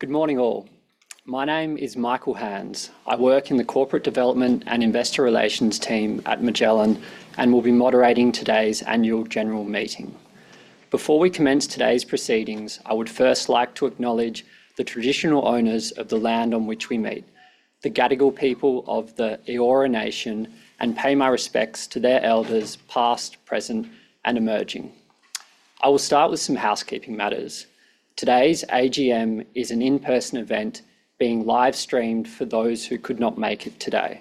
Good morning, all. My name is Michael Hands. I work in the Corporate Development and Investor Relations team at Magellan, and will be moderating today's Annual General Meeting. Before we commence today's proceedings, I would first like to acknowledge the traditional owners of the land on which we meet, the Gadigal people of the Eora Nation, and pay my respects to their elders, past, present, and emerging. I will start with some housekeeping matters. Today's AGM is an in-person event being live-streamed for those who could not make it today.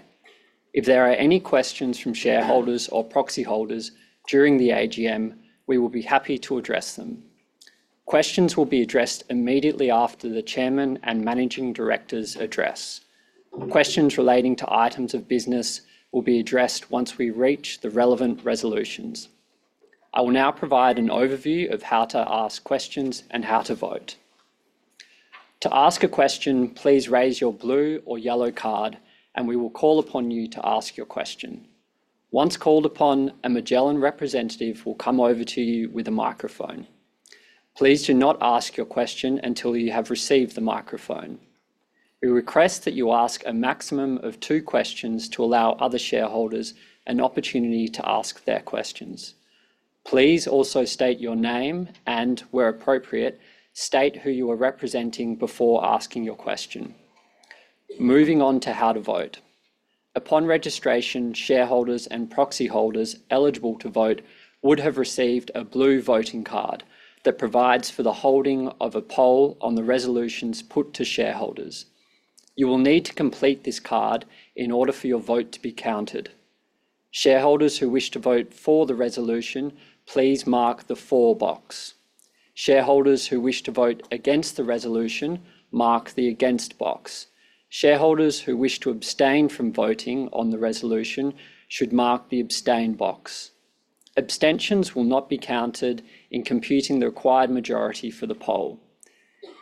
If there are any questions from shareholders or proxy holders during the AGM, we will be happy to address them. Questions will be addressed immediately after the chairman and managing director's address. Questions relating to items of business will be addressed once we reach the relevant resolutions. I will now provide an overview of how to ask questions and how to vote. To ask a question, please raise your blue or yellow card, and we will call upon you to ask your question. Once called upon, a Magellan representative will come over to you with a microphone. Please do not ask your question until you have received the microphone. We request that you ask a maximum of two questions to allow other shareholders an opportunity to ask their questions. Please also state your name, and where appropriate, state who you are representing before asking your question. Moving on to how to vote. Upon registration, shareholders and proxy holders eligible to vote would have received a blue voting card that provides for the holding of a poll on the resolutions put to shareholders. You will need to complete this card in order for your vote to be counted. Shareholders who wish to vote for the resolution, please mark the For box. Shareholders who wish to vote against the resolution, mark the Against box. Shareholders who wish to abstain from voting on the resolution should mark the Abstain box. Abstentions will not be counted in computing the required majority for the poll.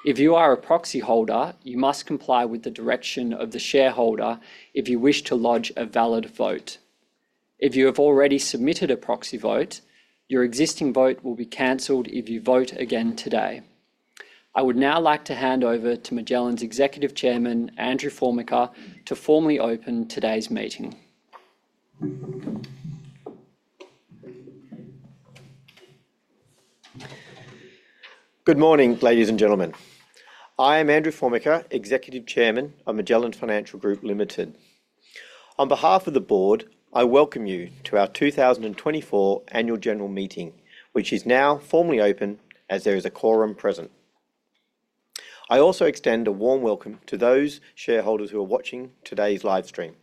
If you are a proxy holder, you must comply with the direction of the shareholder if you wish to lodge a valid vote. If you have already submitted a proxy vote, your existing vote will be canceled if you vote again today. I would now like to hand over to Magellan's Executive Chairman, Andrew Formica, to formally open today's meeting. Good morning, ladies and gentlemen. I am Andrew Formica, Executive Chairman of Magellan Financial Group Limited. On behalf of the Board, I welcome you to our two thousand and twenty-four Annual General Meeting, which is now formally open, as there is a quorum present. I also extend a warm welcome to those shareholders who are watching today's live stream.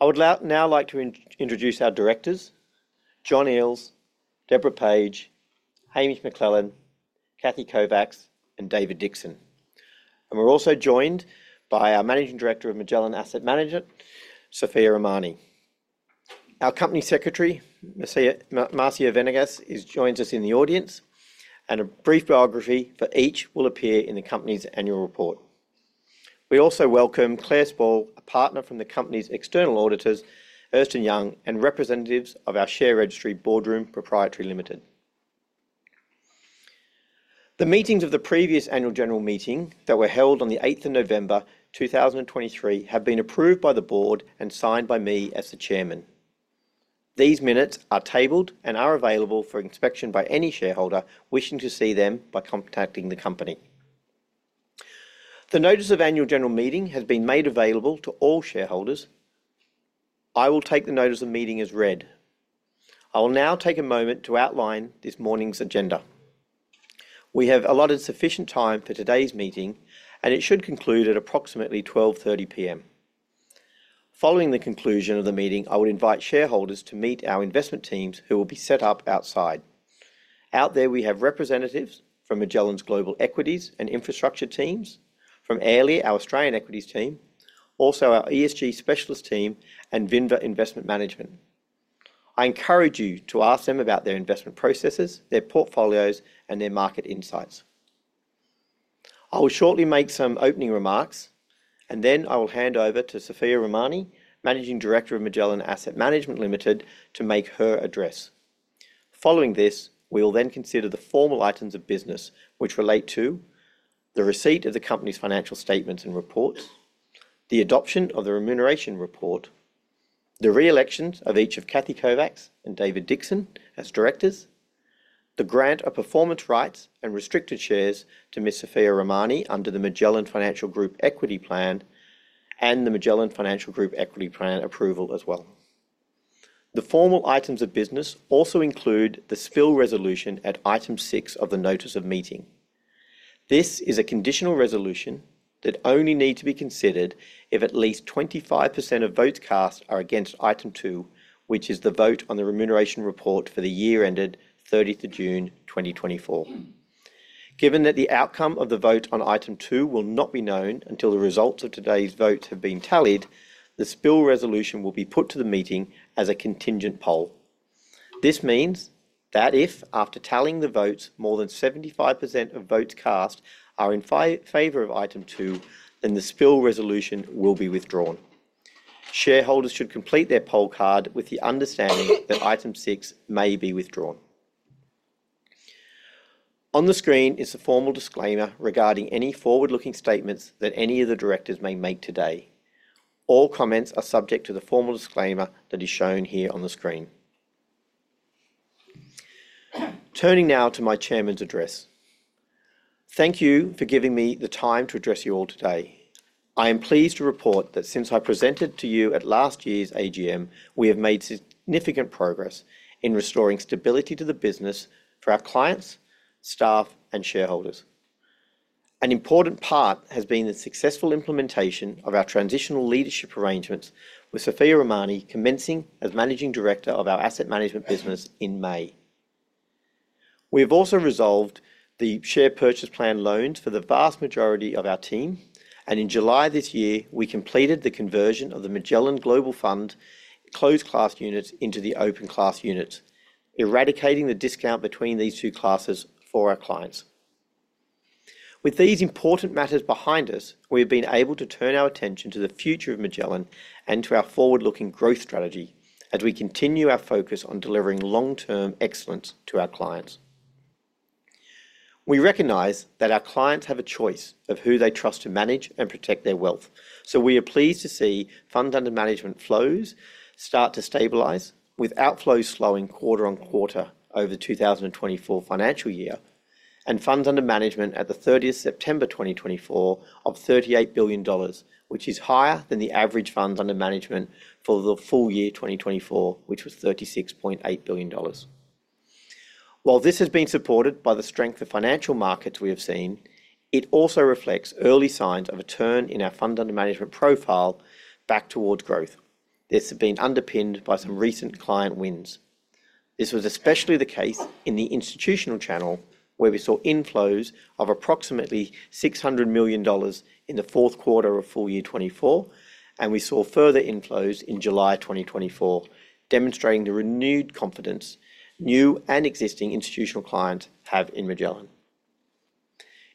I would now like to introduce our directors, John Eales, Deborah Page, Hamish McLennan, Cathy Kovacs, and David Dixon, and we're also joined by our Managing Director of Magellan Asset Management, Sophia Rahmani. Our Company Secretary, Marcia Venegas, joins us in the audience, and a brief biography for each will appear in the company's annual report. We also welcome Clare Sporle, a partner from the company's external auditors, Ernst & Young, and representatives of our share registry, Boardroom Pty Limited. The minutes of the previous Annual General Meeting that were held on the eighth of November, two thousand and twenty-three, have been approved by the Board and signed by me as the chairman. These minutes are tabled and are available for inspection by any shareholder wishing to see them by contacting the company. The Notice of Annual General Meeting has been made available to all shareholders. I will take the Notice of the Meeting as read. I will now take a moment to outline this morning's agenda. We have allotted sufficient time for today's meeting, and it should conclude at approximately 12:30 P.M. Following the conclusion of the meeting, I would invite shareholders to meet our investment teams, who will be set up outside. Out there, we have representatives from Magellan's Global Equities and Infrastructure teams, from Airlie, our Australian Equities team, also our ESG specialist team, and Vinva Investment Management. I encourage you to ask them about their investment processes, their portfolios, and their market insights. I will shortly make some opening remarks, and then I will hand over to Sophia Rahmani, Managing Director of Magellan Asset Management Limited, to make her address. Following this, we will then consider the formal items of business, which relate to the receipt of the company's financial statements and reports, the adoption of the Remuneration Report, the re-elections of each of Cathy Kovacs and David Dixon as directors, the grant of performance rights and restricted shares to Miss Sophia Rahmani under the Magellan Financial Group Equity Plan, and the Magellan Financial Group Equity Plan approval as well. The formal items of business also include the Spill Resolution at Item 6 of the Notice of Meeting. This is a conditional resolution that only need to be considered if at least 25% of votes cast are against Item 2, which is the vote on the Remuneration Report for the year ended thirtieth of June, 2024. Given that the outcome of the vote on Item 2 will not be known until the results of today's vote have been tallied, the Spill Resolution will be put to the meeting as a contingent poll. This means that if, after tallying the votes, more than 75% of votes cast are in favor of Item 2, then the Spill Resolution will be withdrawn. Shareholders should complete their poll card with the understanding that Item 6 may be withdrawn. On the screen is a formal disclaimer regarding any forward-looking statements that any of the directors may make today. All comments are subject to the formal disclaimer that is shown here on the screen. Turning now to my chairman's address. Thank you for giving me the time to address you all today. I am pleased to report that since I presented to you at last year's AGM, we have made significant progress in restoring stability to the business for our clients, staff, and shareholders. An important part has been the successful implementation of our transitional leadership arrangements, with Sophia Rahmani commencing as Managing Director of our asset management business in May. We have also resolved the Share Purchase Plan loans for the vast majority of our team, and in July this year, we completed the conversion of the Magellan Global Fund closed class units into the open class units, eradicating the discount between these two classes for our clients. With these important matters behind us, we've been able to turn our attention to the future of Magellan and to our forward-looking growth strategy as we continue our focus on delivering long-term excellence to our clients. We recognize that our clients have a choice of who they trust to manage and protect their wealth, so we are pleased to see funds under management flows start to stabilize, with outflows slowing quarter on quarter over the 2024 financial year, and funds under management at the 30th September 2024 of 38 billion dollars, which is higher than the average funds under management for the full year 2024, which was 36.8 billion dollars. While this has been supported by the strength of financial markets we have seen, it also reflects early signs of a turn in our fund under management profile back towards growth. This has been underpinned by some recent client wins. This was especially the case in the institutional channel, where we saw inflows of approximately 600 million dollars in the fourth quarter of full year 2024, and we saw further inflows in July 2024, demonstrating the renewed confidence new and existing institutional clients have in Magellan.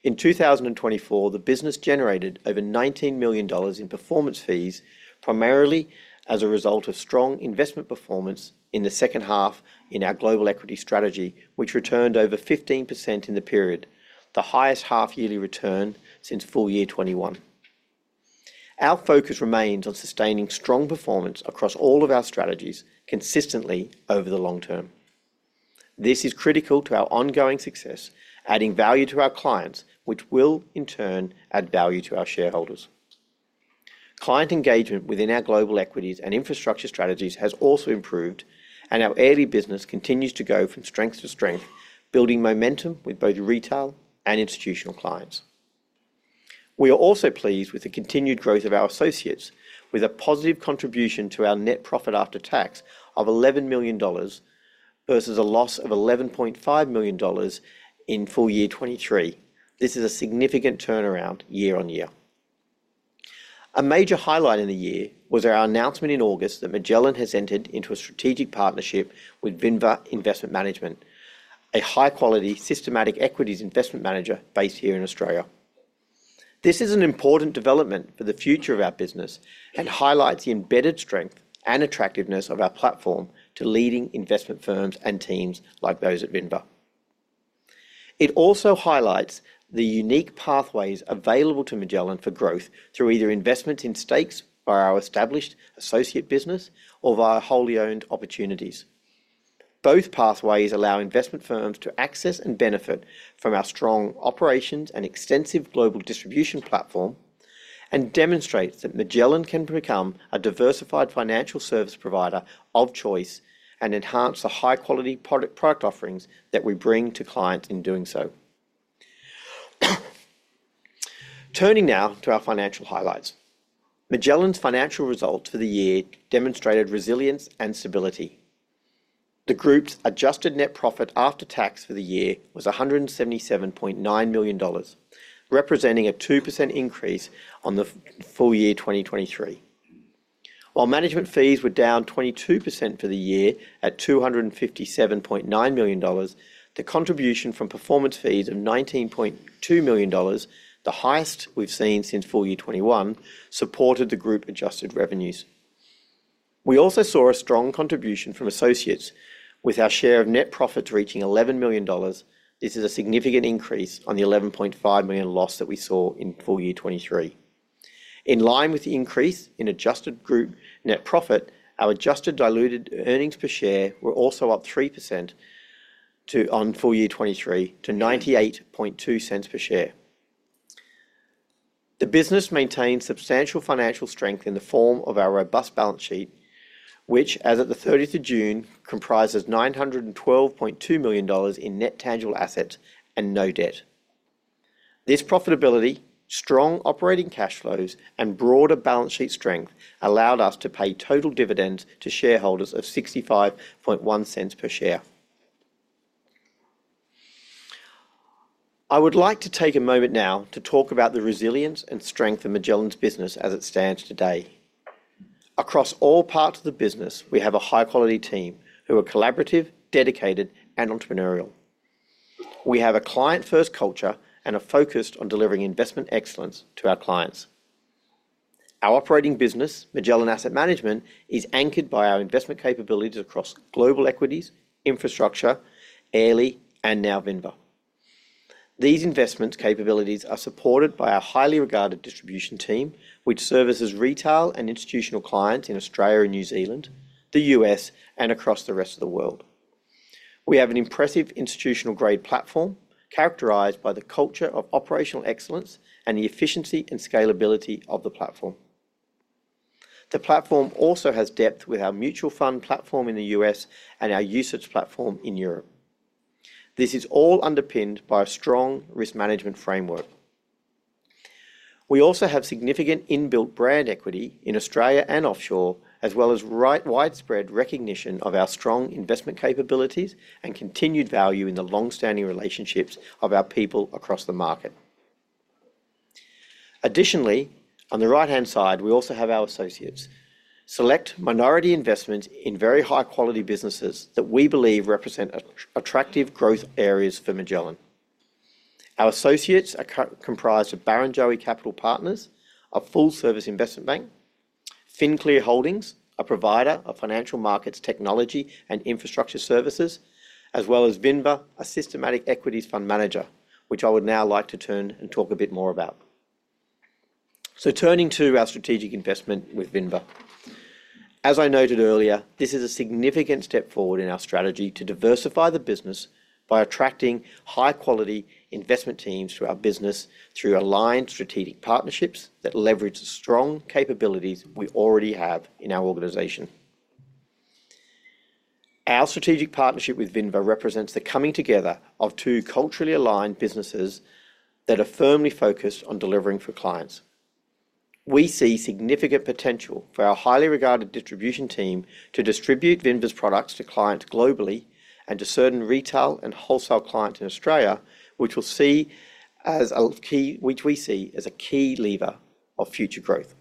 In 2024, the business generated over 19 million dollars in performance fees, primarily as a result of strong investment performance in the second half in our global equity strategy, which returned over 15% in the period, the highest half-yearly return since full year 2021. Our focus remains on sustaining strong performance across all of our strategies consistently over the long term. This is critical to our ongoing success, adding value to our clients, which will, in turn, add value to our shareholders. Client engagement within our global equities and infrastructure strategies has also improved, and our Airlie business continues to go from strength to strength, building momentum with both retail and institutional clients. We are also pleased with the continued growth of our associates, with a positive contribution to our net profit after tax of 11 million dollars versus a loss of 11.5 million dollars in full year 2023. This is a significant turnaround year on year. A major highlight in the year was our announcement in August that Magellan has entered into a strategic partnership with Vinva Investment Management, a high-quality, systematic equities investment manager based here in Australia. This is an important development for the future of our business and highlights the embedded strength and attractiveness of our platform to leading investment firms and teams like those at Vinva. It also highlights the unique pathways available to Magellan for growth through either investment in stakes by our established associate business or via wholly owned opportunities. Both pathways allow investment firms to access and benefit from our strong operations and extensive global distribution platform and demonstrates that Magellan can become a diversified financial service provider of choice and enhance the high-quality product, product offerings that we bring to clients in doing so. Turning now to our financial highlights. Magellan's financial result for the year demonstrated resilience and stability. The group's adjusted net profit after tax for the year was 177.9 million dollars, representing a 2% increase on the full year 2023. While management fees were down 22% for the year at 257.9 million dollars, the contribution from performance fees of 19.2 million dollars, the highest we've seen since full year 2021, supported the group adjusted revenues. We also saw a strong contribution from associates, with our share of net profits reaching 11 million dollars. This is a significant increase on the 11.5 million loss that we saw in full year 2023. In line with the increase in adjusted group net profit, our adjusted diluted earnings per share were also up 3% to AUD 0.982 per share on full year 2023. The business maintains substantial financial strength in the form of our robust balance sheet, which, as of the thirtieth of June, comprises 912.2 million dollars in net tangible assets and no debt. This profitability, strong operating cash flows, and broader balance sheet strength allowed us to pay total dividends to shareholders of 0.651 per share. I would like to take a moment now to talk about the resilience and strength of Magellan's business as it stands today. Across all parts of the business, we have a high-quality team who are collaborative, dedicated, and entrepreneurial.... We have a client-first culture and are focused on delivering investment excellence to our clients. Our operating business, Magellan Asset Management, is anchored by our investment capabilities across global equities, infrastructure, Airlie, and now Vinva. These investment capabilities are supported by our highly regarded distribution team, which services retail and institutional clients in Australia and New Zealand, the U.S., and across the rest of the world. We have an impressive institutional-grade platform, characterized by the culture of operational excellence and the efficiency and scalability of the platform. The platform also has depth with our mutual fund platform in the U.S. and our UCITS platform in Europe. This is all underpinned by a strong risk management framework. We also have significant inbuilt brand equity in Australia and offshore, as well as widespread recognition of our strong investment capabilities and continued value in the long-standing relationships of our people across the market. Additionally, on the right-hand side, we also have our associates. Select minority investments in very high-quality businesses that we believe represent attractive growth areas for Magellan. Our associates are comprised of Barrenjoey Capital Partners, a full-service investment bank, FinClear Holdings, a provider of financial markets technology and infrastructure services, as well as Vinva, a systematic equities fund manager, which I would now like to turn and talk a bit more about. So turning to our strategic investment with Vinva. As I noted earlier, this is a significant step forward in our strategy to diversify the business by attracting high-quality investment teams to our business through aligned strategic partnerships that leverage the strong capabilities we already have in our organization. Our strategic partnership with Vinva represents the coming together of two culturally aligned businesses that are firmly focused on delivering for clients. We see significant potential for our highly regarded distribution team to distribute Vinva's products to clients globally and to certain retail and wholesale clients in Australia, which we see as a key lever of future growth.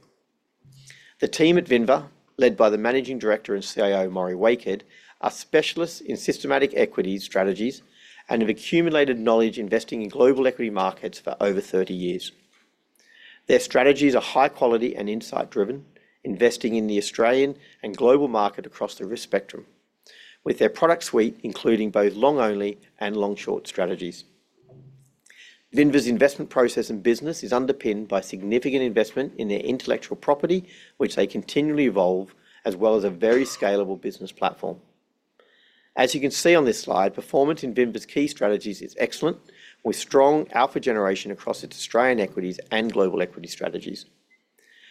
The team at Vinva, led by the Managing Director and CIO, Morry Waked, are specialists in systematic equity strategies and have accumulated knowledge investing in global equity markets for over thirty years. Their strategies are high quality and insight driven, investing in the Australian and global market across the risk spectrum, with their product suite including both long-only and long-short strategies. Vinva's investment process and business is underpinned by significant investment in their intellectual property, which they continually evolve, as well as a very scalable business platform. As you can see on this slide, performance in Vinva's key strategies is excellent, with strong alpha generation across its Australian equities and global equity strategies.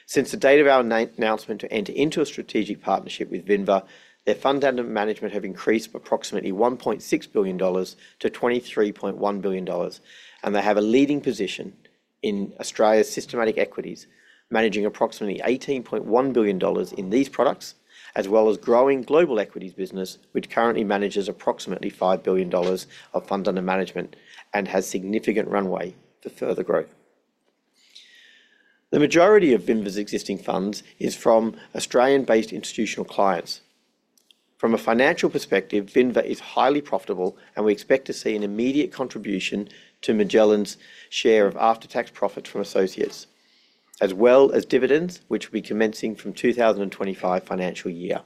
Since the date of our announcement to enter into a strategic partnership with Vinva, their funds under management have increased approximately 1.6 billion dollars to 23.1 billion dollars, and they have a leading position in Australia's systematic equities, managing approximately 18.1 billion dollars in these products, as well as growing global equities business, which currently manages approximately 5 billion dollars of funds under management and has significant runway for further growth. The majority of Vinva's existing funds is from Australian-based institutional clients. From a financial perspective, Vinva is highly profitable, and we expect to see an immediate contribution to Magellan's share of after-tax profits from associates, as well as dividends, which will be commencing from 2025 financial year.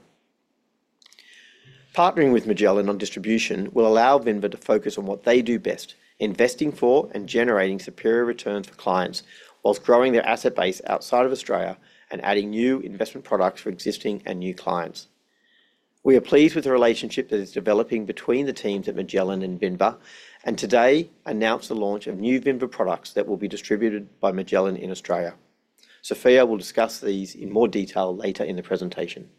Partnering with Magellan on distribution will allow Vinva to focus on what they do best, investing for and generating superior returns for clients, while growing their asset base outside of Australia and adding new investment products for existing and new clients. We are pleased with the relationship that is developing between the teams at Magellan and Vinva, and today announced the launch of new Vinva products that will be distributed by Magellan in Australia. Sophia will discuss these in more detail later in the presentation.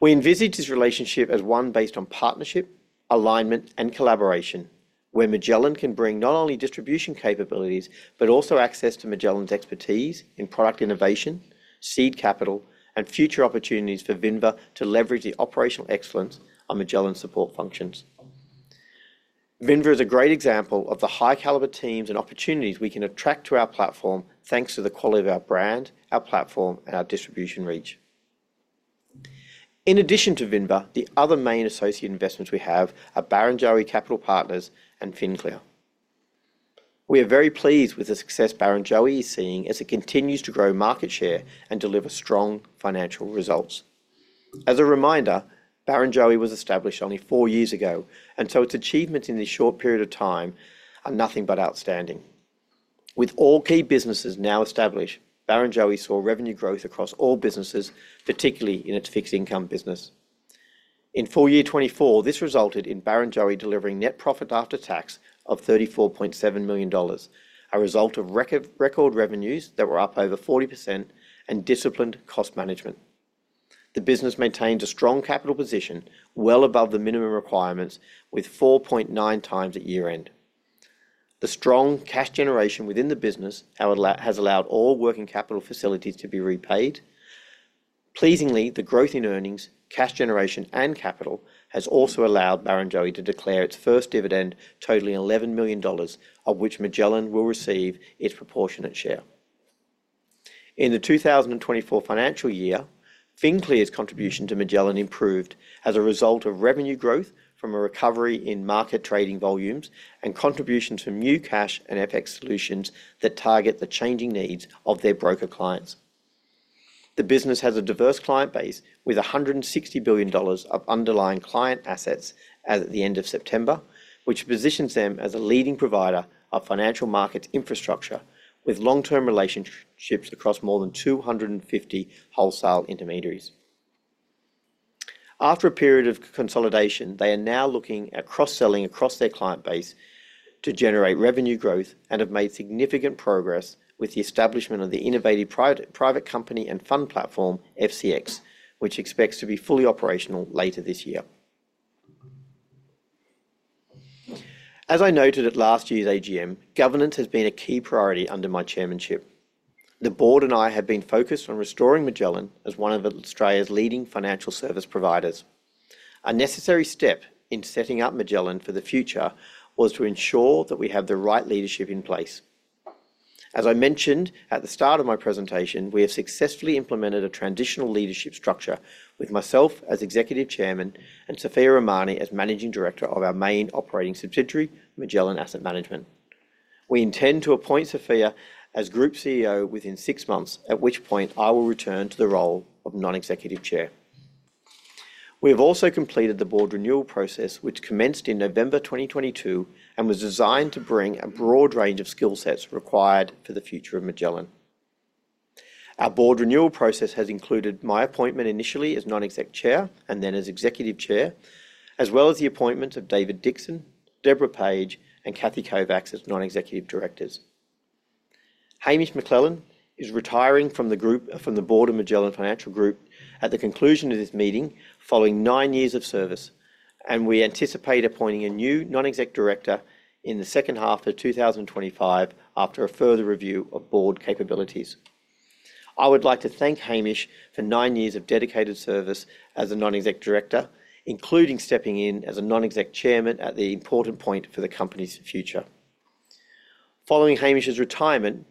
We envisage this relationship as one based on partnership, alignment, and collaboration, where Magellan can bring not only distribution capabilities, but also access to Magellan's expertise in product innovation, seed capital, and future opportunities for Vinva to leverage the operational excellence of Magellan support functions. Vinva is a great example of the high caliber teams and opportunities we can attract to our platform, thanks to the quality of our brand, our platform, and our distribution reach. In addition to Vinva, the other main associate investments we have are Barrenjoey Capital Partners and FinClear. We are very pleased with the success Barrenjoey is seeing as it continues to grow market share and deliver strong financial results. As a reminder, Barrenjoey was established only four years ago, and so its achievements in this short period of time are nothing but outstanding. With all key businesses now established, Barrenjoey saw revenue growth across all businesses, particularly in its fixed income business. In full year 2024, this resulted in Barrenjoey delivering net profit after tax of 34.7 million dollars, a result of record revenues that were up over 40% and disciplined cost management. The business maintains a strong capital position, well above the minimum requirements, with 4.9 times at year-end. The strong cash generation within the business has allowed all working capital facilities to be repaid. Pleasingly, the growth in earnings, cash generation, and capital has also allowed Barrenjoey to declare its first dividend, totaling 11 million dollars, of which Magellan will receive its proportionate share. In the 2024 financial year, FinClear's contribution to Magellan improved as a result of revenue growth from a recovery in market trading volumes and contribution to new cash and FX solutions that target the changing needs of their broker clients. The business has a diverse client base, with 160 billion dollars of underlying client assets as at the end of September, which positions them as a leading provider of financial markets infrastructure, with long-term relationships across more than 250 wholesale intermediaries. After a period of consolidation, they are now looking at cross-selling across their client base to generate revenue growth and have made significant progress with the establishment of the innovative private company and fund platform, FCX, which expects to be fully operational later this year. As I noted at last year's AGM, governance has been a key priority under my chairmanship. The Board and I have been focused on restoring Magellan as one of Australia's leading financial service providers. A necessary step in setting up Magellan for the future was to ensure that we have the right leadership in place. As I mentioned at the start of my presentation, we have successfully implemented a transitional leadership structure with myself as Executive Chairman and Sophia Rahmani as Managing Director of our main operating subsidiary, Magellan Asset Management. We intend to appoint Sophia as Group CEO within six months, at which point I will return to the role of Non-Executive Chair. We have also completed the Board renewal process, which commenced in November 2022, and was designed to bring a broad range of skill sets required for the future of Magellan. Our Board renewal process has included my appointment initially as Non-Exec Chair and then as Executive Chair, as well as the appointment of David Dixon, Deborah Page, and Cathy Kovacs as non-executive directors. Hamish McLennan is retiring from the Board of Magellan Financial Group at the conclusion of this meeting, following nine years of service, and we anticipate appointing a new non-exec director in the second half of 2025 after a further review of Board capabilities. I would like to thank Hamish for nine years of dedicated service as a non-exec director, including stepping in as a non-exec chairman at the important point for the company's future. Following Hamish's retirement,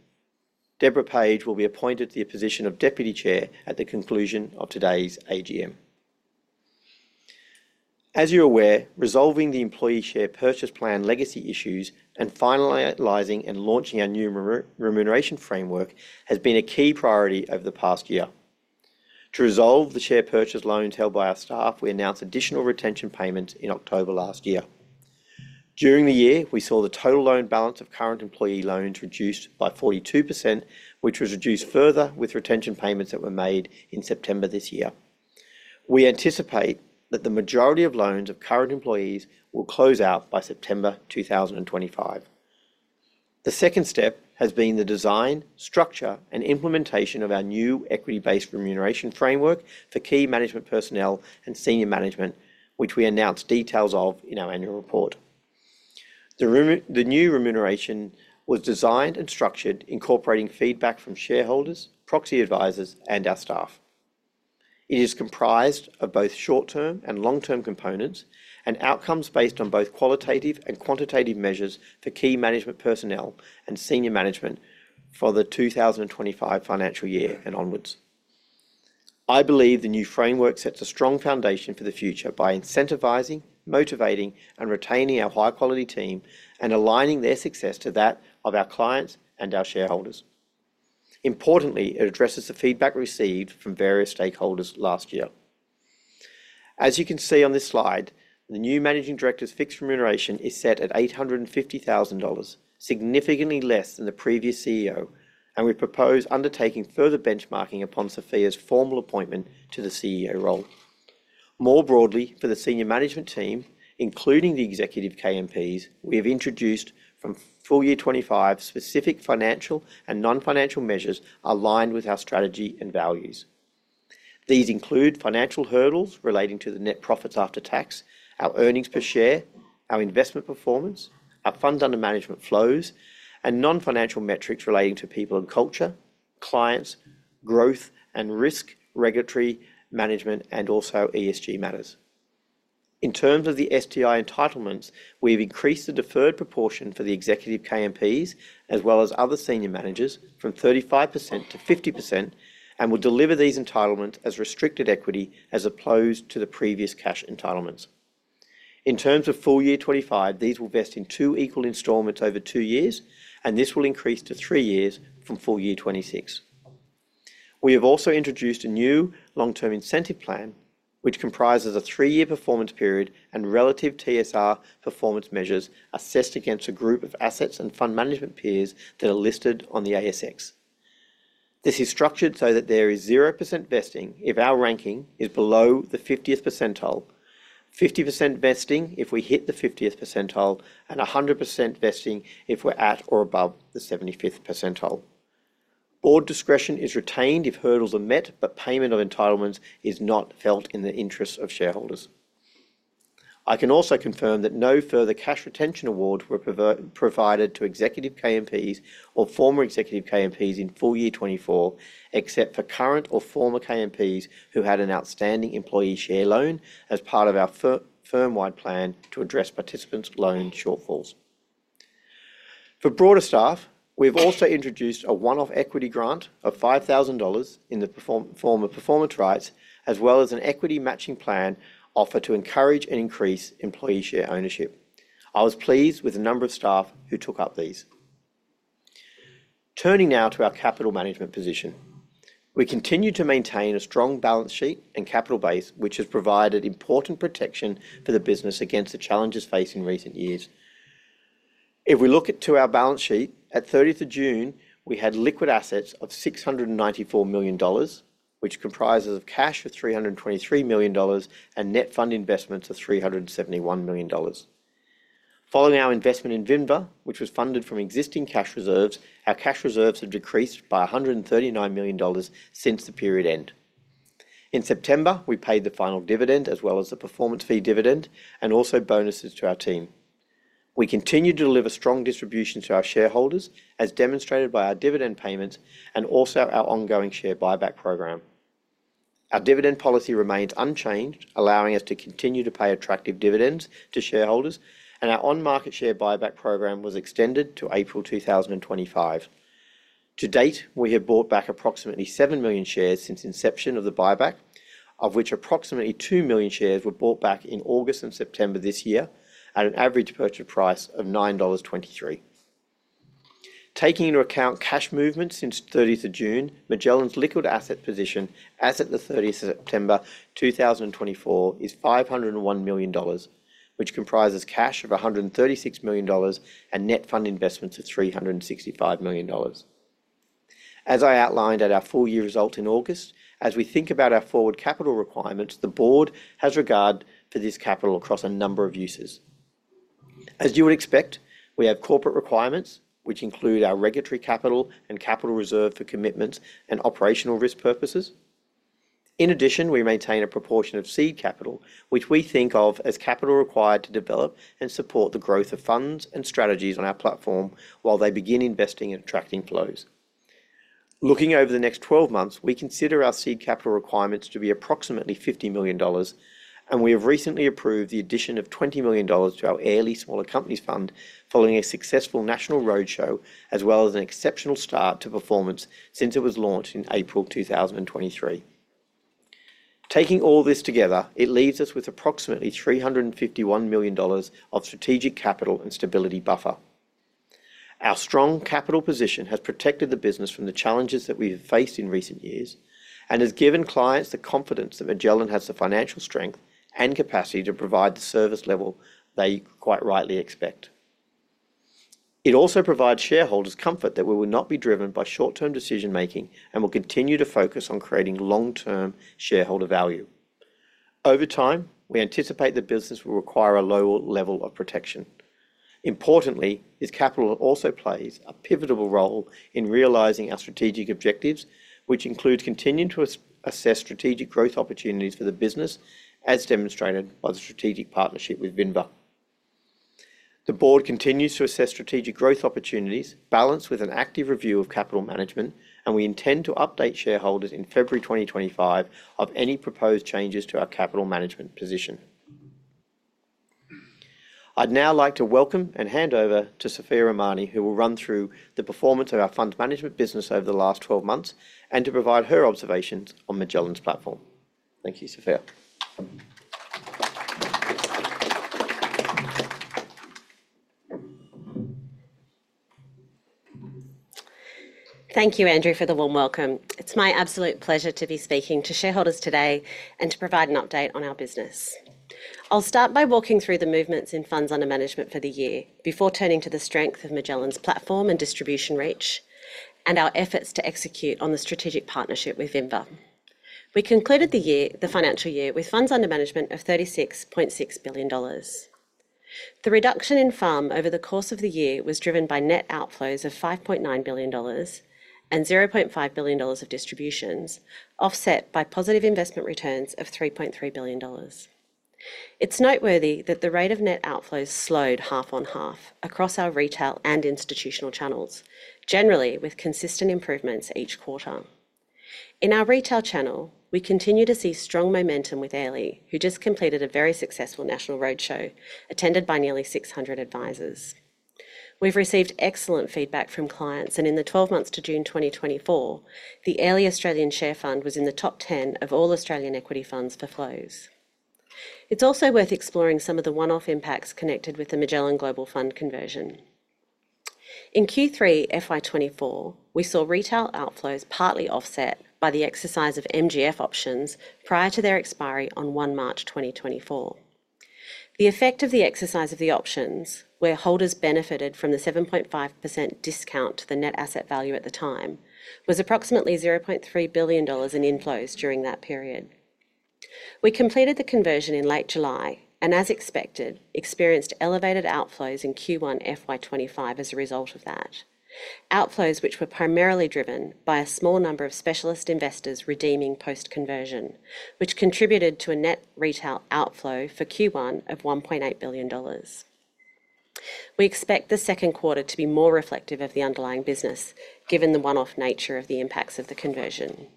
Deborah Page will be appointed to the position of Deputy Chair at the conclusion of today's AGM. As you're aware, resolving the employee Share Purchase Plan legacy issues and finalizing and launching our new remuneration framework has been a key priority over the past year. To resolve the share purchase loans held by our staff, we announced additional retention payments in October last year. During the year, we saw the total loan balance of current employee loans reduced by 42%, which was reduced further with retention payments that were made in September this year. We anticipate that the majority of loans of current employees will close out by September 2025. The second step has been the design, structure, and implementation of our new equity-based remuneration framework for key management personnel and senior management, which we announced details of in our annual report. The new remuneration was designed and structured, incorporating feedback from shareholders, proxy advisors, and our staff. It is comprised of both short-term and long-term components, and outcomes based on both qualitative and quantitative measures for key management personnel and senior management for the 2025 financial year and onwards. I believe the new framework sets a strong foundation for the future by incentivizing, motivating, and retaining our high-quality team and aligning their success to that of our clients and our shareholders. Importantly, it addresses the feedback received from various stakeholders last year. As you can see on this slide, the new managing director's fixed remuneration is set at 850,000 dollars, significantly less than the previous CEO, and we propose undertaking further benchmarking upon Sophia's formal appointment to the CEO role. More broadly, for the senior management team, including the executive KMPs, we have introduced from full year 2025, specific financial and non-financial measures aligned with our strategy and values. These include financial hurdles relating to the net profits after tax, our earnings per share, our investment performance, our funds under management flows, and non-financial metrics relating to people and culture, clients, growth and risk, regulatory, management, and also ESG matters. In terms of the STI entitlements, we've increased the deferred proportion for the executive KMPs, as well as other senior managers, from 35% to 50% and will deliver these entitlements as restricted equity as opposed to the previous cash entitlements. In terms of full year 2025, these will vest in two equal installments over two years, and this will increase to three years from full year 2026. We have also introduced a new long-term incentive plan, which comprises a three-year performance period and relative TSR performance measures assessed against a group of assets and fund management peers that are listed on the ASX. This is structured so that there is 0% vesting if our ranking is below the fiftieth percentile, 50% vesting if we hit the fiftieth percentile, and 100% vesting if we're at or above the seventy-fifth percentile. Board discretion is retained if hurdles are met, but payment of entitlements is not felt in the interest of shareholders. I can also confirm that no further cash retention awards were provided to executive KMPs or former executive KMPs in full year 2024, except for current or former KMPs who had an outstanding employee share loan as part of our firm-wide plan to address participants' loan shortfalls. For broader staff, we've also introduced a one-off equity grant of 5,000 dollars in the form of performance rights, as well as an equity matching plan offered to encourage and increase employee share ownership. I was pleased with the number of staff who took up these. Turning now to our capital management position. We continue to maintain a strong balance sheet and capital base, which has provided important protection for the business against the challenges faced in recent years. If we look at our balance sheet, at the thirtieth of June, we had liquid assets of 694 million dollars, which comprises of cash of 323 million dollars, and net fund investments of 371 million dollars. Following our investment in Vinva, which was funded from existing cash reserves, our cash reserves have decreased by 139 million dollars since the period end. In September, we paid the final dividend as well as the performance fee dividend, and also bonuses to our team. We continue to deliver strong distribution to our shareholders, as demonstrated by our dividend payments and also our ongoing share buyback program. Our dividend policy remains unchanged, allowing us to continue to pay attractive dividends to shareholders, and our on-market share buyback program was extended to April 2025. To date, we have bought back approximately 7 million shares since inception of the buyback, of which approximately 2 million shares were bought back in August and September this year, at an average purchase price of 9.23 dollars. Taking into account cash movements since 30th of June, Magellan's liquid asset position as at the 30th of September 2024 is 501 million dollars, which comprises cash of 136 million dollars, and net fund investments of 365 million dollars. As I outlined at our full year result in August, as we think about our forward capital requirements, the Board has regard for this capital across a number of uses. As you would expect, we have corporate requirements, which include our regulatory capital and capital reserve for commitments and operational risk purposes. In addition, we maintain a proportion of seed capital, which we think of as capital required to develop and support the growth of funds and strategies on our platform while they begin investing and attracting flows. Looking over the next twelve months, we consider our seed capital requirements to be approximately 50 million dollars, and we have recently approved the addition of 20 million dollars to our Airlie Small Companies Fund, following a successful national roadshow, as well as an exceptional start to performance since it was launched in April 2023. Taking all this together, it leaves us with approximately 351 million dollars of strategic capital and stability buffer. Our strong capital position has protected the business from the challenges that we have faced in recent years, and has given clients the confidence that Magellan has the financial strength and capacity to provide the service level they quite rightly expect. It also provides shareholders comfort that we will not be driven by short-term decision making, and will continue to focus on creating long-term shareholder value. Over time, we anticipate the business will require a lower level of protection. Importantly, this capital also plays a pivotal role in realizing our strategic objectives, which include continuing to assess strategic growth opportunities for the business, as demonstrated by the strategic partnership with Vinva. The Board continues to assess strategic growth opportunities, balanced with an active review of capital management, and we intend to update shareholders in February twenty twenty-five of any proposed changes to our capital management position. I'd now like to welcome and hand over to Sophia Rahmani, who will run through the performance of our funds management business over the last twelve months, and to provide her observations on Magellan's platform. Thank you, Sophia. Thank you, Andrew, for the warm welcome. It's my absolute pleasure to be speaking to shareholders today and to provide an update on our business. I'll start by walking through the movements in funds under management for the year, before turning to the strength of Magellan's platform and distribution reach, and our efforts to execute on the strategic partnership with Vinva. We concluded the year, the financial year, with funds under management of 36.6 billion dollars. The reduction in FUM over the course of the year was driven by net outflows of 5.9 billion dollars and 0.5 billion dollars of distributions, offset by positive investment returns of 3.3 billion dollars. It's noteworthy that the rate of net outflows slowed half on half across our retail and institutional channels, generally with consistent improvements each quarter. In our retail channel, we continue to see strong momentum with Airlie, who just completed a very successful national roadshow, attended by nearly 600 advisors. We've received excellent feedback from clients, and in the 12 months to June 2024, the Airlie Australian Share Fund was in the top 10 of all Australian equity funds for flows. It's also worth exploring some of the one-off impacts connected with the Magellan Global Fund conversion. In Q3, FY 2024, we saw retail outflows partly offset by the exercise of MGF options prior to their expiry on 1 March 2024. The effect of the exercise of the options, where holders benefited from the 7.5% discount to the net asset value at the time, was approximately 0.3 billion dollars in inflows during that period. We completed the conversion in late July, and as expected, experienced elevated outflows in Q1, FY 2025 as a result of that. Outflows, which were primarily driven by a small number of specialist investors redeeming post-conversion, which contributed to a net retail outflow for Q1 of 1.8 billion dollars. We expect the second quarter to be more reflective of the underlying business, given the one-off nature of the impacts of the conversion.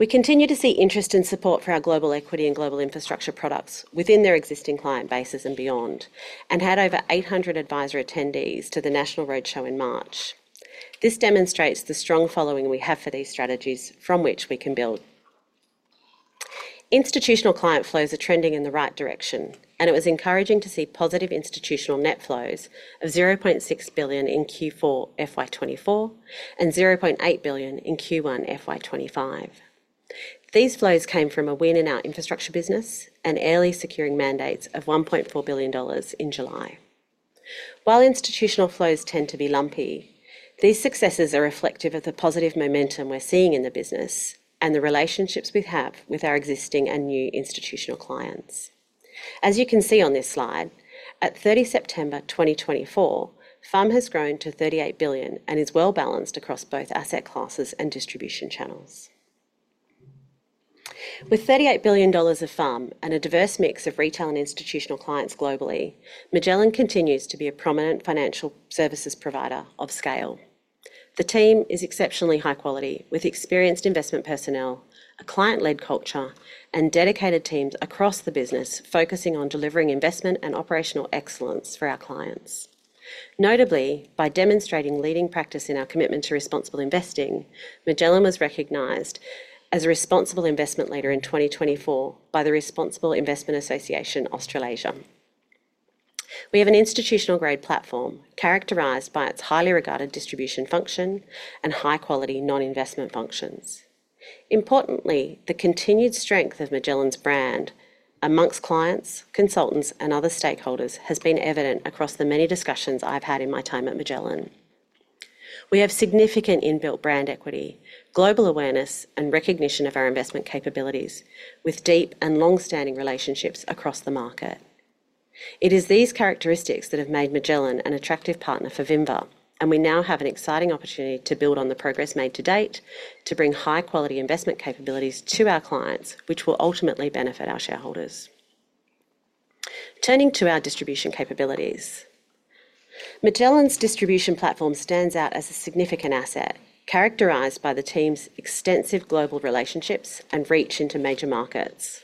We continue to see interest and support for our global equity and global infrastructure products within their existing client bases and beyond, and had over 800 advisor attendees to the National Roadshow in March. This demonstrates the strong following we have for these strategies from which we can build. Institutional client flows are trending in the right direction, and it was encouraging to see positive institutional net flows of 0.6 billion in Q4 FY 2024 and 0.8 billion in Q1 FY 2025. These flows came from a win in our infrastructure business and early securing mandates of 1.4 billion dollars in July. While institutional flows tend to be lumpy, these successes are reflective of the positive momentum we're seeing in the business and the relationships we have with our existing and new institutional clients. As you can see on this slide, at 30 September 2024, FUM has grown to 38 billion and is well-balanced across both asset classes and distribution channels. With 38 billion dollars of FUM and a diverse mix of retail and institutional clients globally, Magellan continues to be a prominent financial services provider of scale. The team is exceptionally high quality, with experienced investment personnel, a client-led culture, and dedicated teams across the business focusing on delivering investment and operational excellence for our clients. Notably, by demonstrating leading practice in our commitment to responsible investing, Magellan was recognized as a Responsible Investment Leader in 2024 by the Responsible Investment Association Australasia. We have an institutional-grade platform characterized by its highly regarded distribution function and high-quality non-investment functions. Importantly, the continued strength of Magellan's brand among clients, consultants, and other stakeholders has been evident across the many discussions I've had in my time at Magellan. We have significant inbuilt brand equity, global awareness, and recognition of our investment capabilities, with deep and long-standing relationships across the market. It is these characteristics that have made Magellan an attractive partner for Vinva, and we now have an exciting opportunity to build on the progress made to date to bring high-quality investment capabilities to our clients, which will ultimately benefit our shareholders. Turning to our distribution capabilities, Magellan's distribution platform stands out as a significant asset, characterized by the team's extensive global relationships and reach into major markets.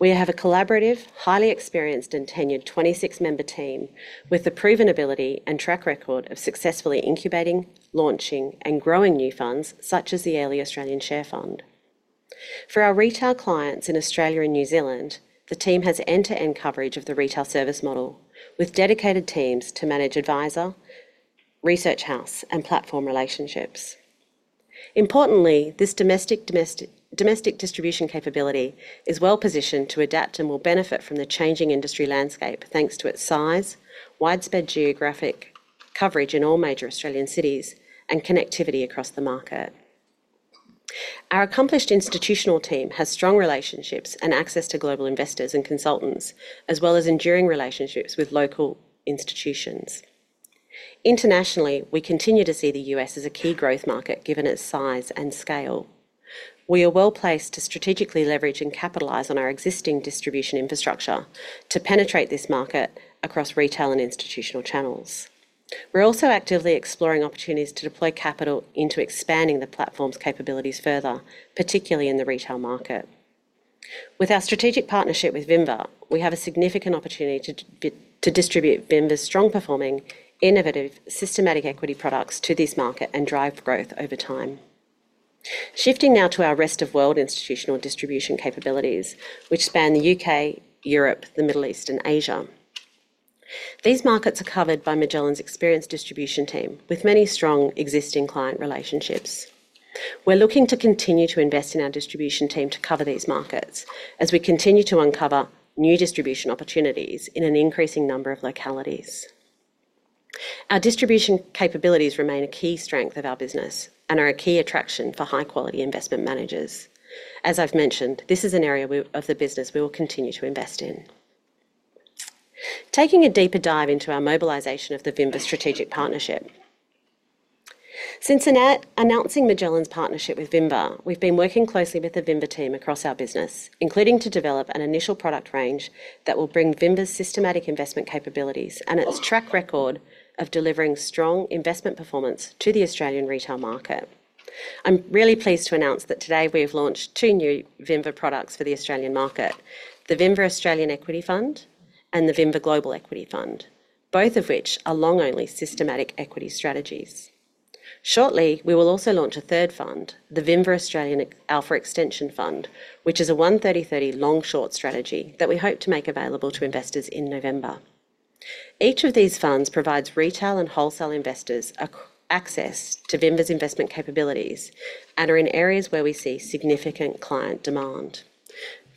We have a collaborative, highly experienced, and tenured 26-member team with a proven ability and track record of successfully incubating, launching, and growing new funds, such as the Airlie Australian Share Fund. For our retail clients in Australia and New Zealand, the team has end-to-end coverage of the retail service model, with dedicated teams to manage advisor, research house, and platform relationships. Importantly, this domestic distribution capability is well positioned to adapt and will benefit from the changing industry landscape, thanks to its size, widespread geographic coverage in all major Australian cities, and connectivity across the market. Our accomplished institutional team has strong relationships and access to global investors and consultants, as well as enduring relationships with local institutions. Internationally, we continue to see the U.S. as a key growth market, given its size and scale. We are well-placed to strategically leverage and capitalize on our existing distribution infrastructure to penetrate this market across retail and institutional channels. We're also actively exploring opportunities to deploy capital into expanding the platform's capabilities further, particularly in the retail market. With our strategic partnership with Vinva, we have a significant opportunity to distribute Vinva's strong-performing, innovative, systematic equity products to this market and drive growth over time. Shifting now to our rest of world institutional distribution capabilities, which span the U.K., Europe, the Middle East, and Asia. These markets are covered by Magellan's experienced distribution team, with many strong existing client relationships. We're looking to continue to invest in our distribution team to cover these markets as we continue to uncover new distribution opportunities in an increasing number of localities. Our distribution capabilities remain a key strength of our business and are a key attraction for high-quality investment managers. As I've mentioned, this is an area of the business we will continue to invest in. Taking a deeper dive into our mobilization of the Vinva strategic partnership. Since announcing Magellan's partnership with Vinva, we've been working closely with the Vinva team across our business, including to develop an initial product range that will bring Vinva's systematic investment capabilities and its track record of delivering strong investment performance to the Australian retail market. I'm really pleased to announce that today we have launched two new Vinva products for the Australian market: the Vinva Australian Equity Fund and the Vinva Global Equity Fund, both of which are long-only systematic equity strategies. Shortly, we will also launch a third fund, the Vinva Australian Alpha Extension Fund, which is a 130/30 long-short strategy that we hope to make available to investors in November. Each of these funds provides retail and wholesale investors access to Vinva's investment capabilities and are in areas where we see significant client demand.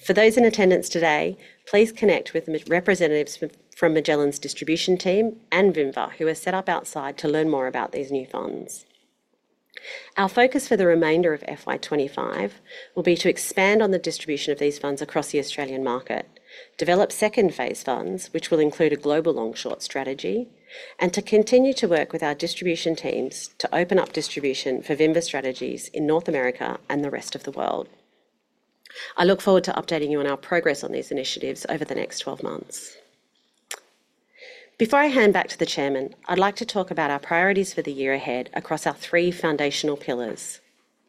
For those in attendance today, please connect with our representatives from Magellan's distribution team and Vinva, who are set up outside to learn more about these new funds. Our focus for the remainder of FY twenty-five will be to expand on the distribution of these funds across the Australian market, develop second-phase funds, which will include a global long/short strategy, and to continue to work with our distribution teams to open up distribution for Vinva strategies in North America and the rest of the world. I look forward to updating you on our progress on these initiatives over the next twelve months. Before I hand back to the chairman, I'd like to talk about our priorities for the year ahead across our three foundational pillars: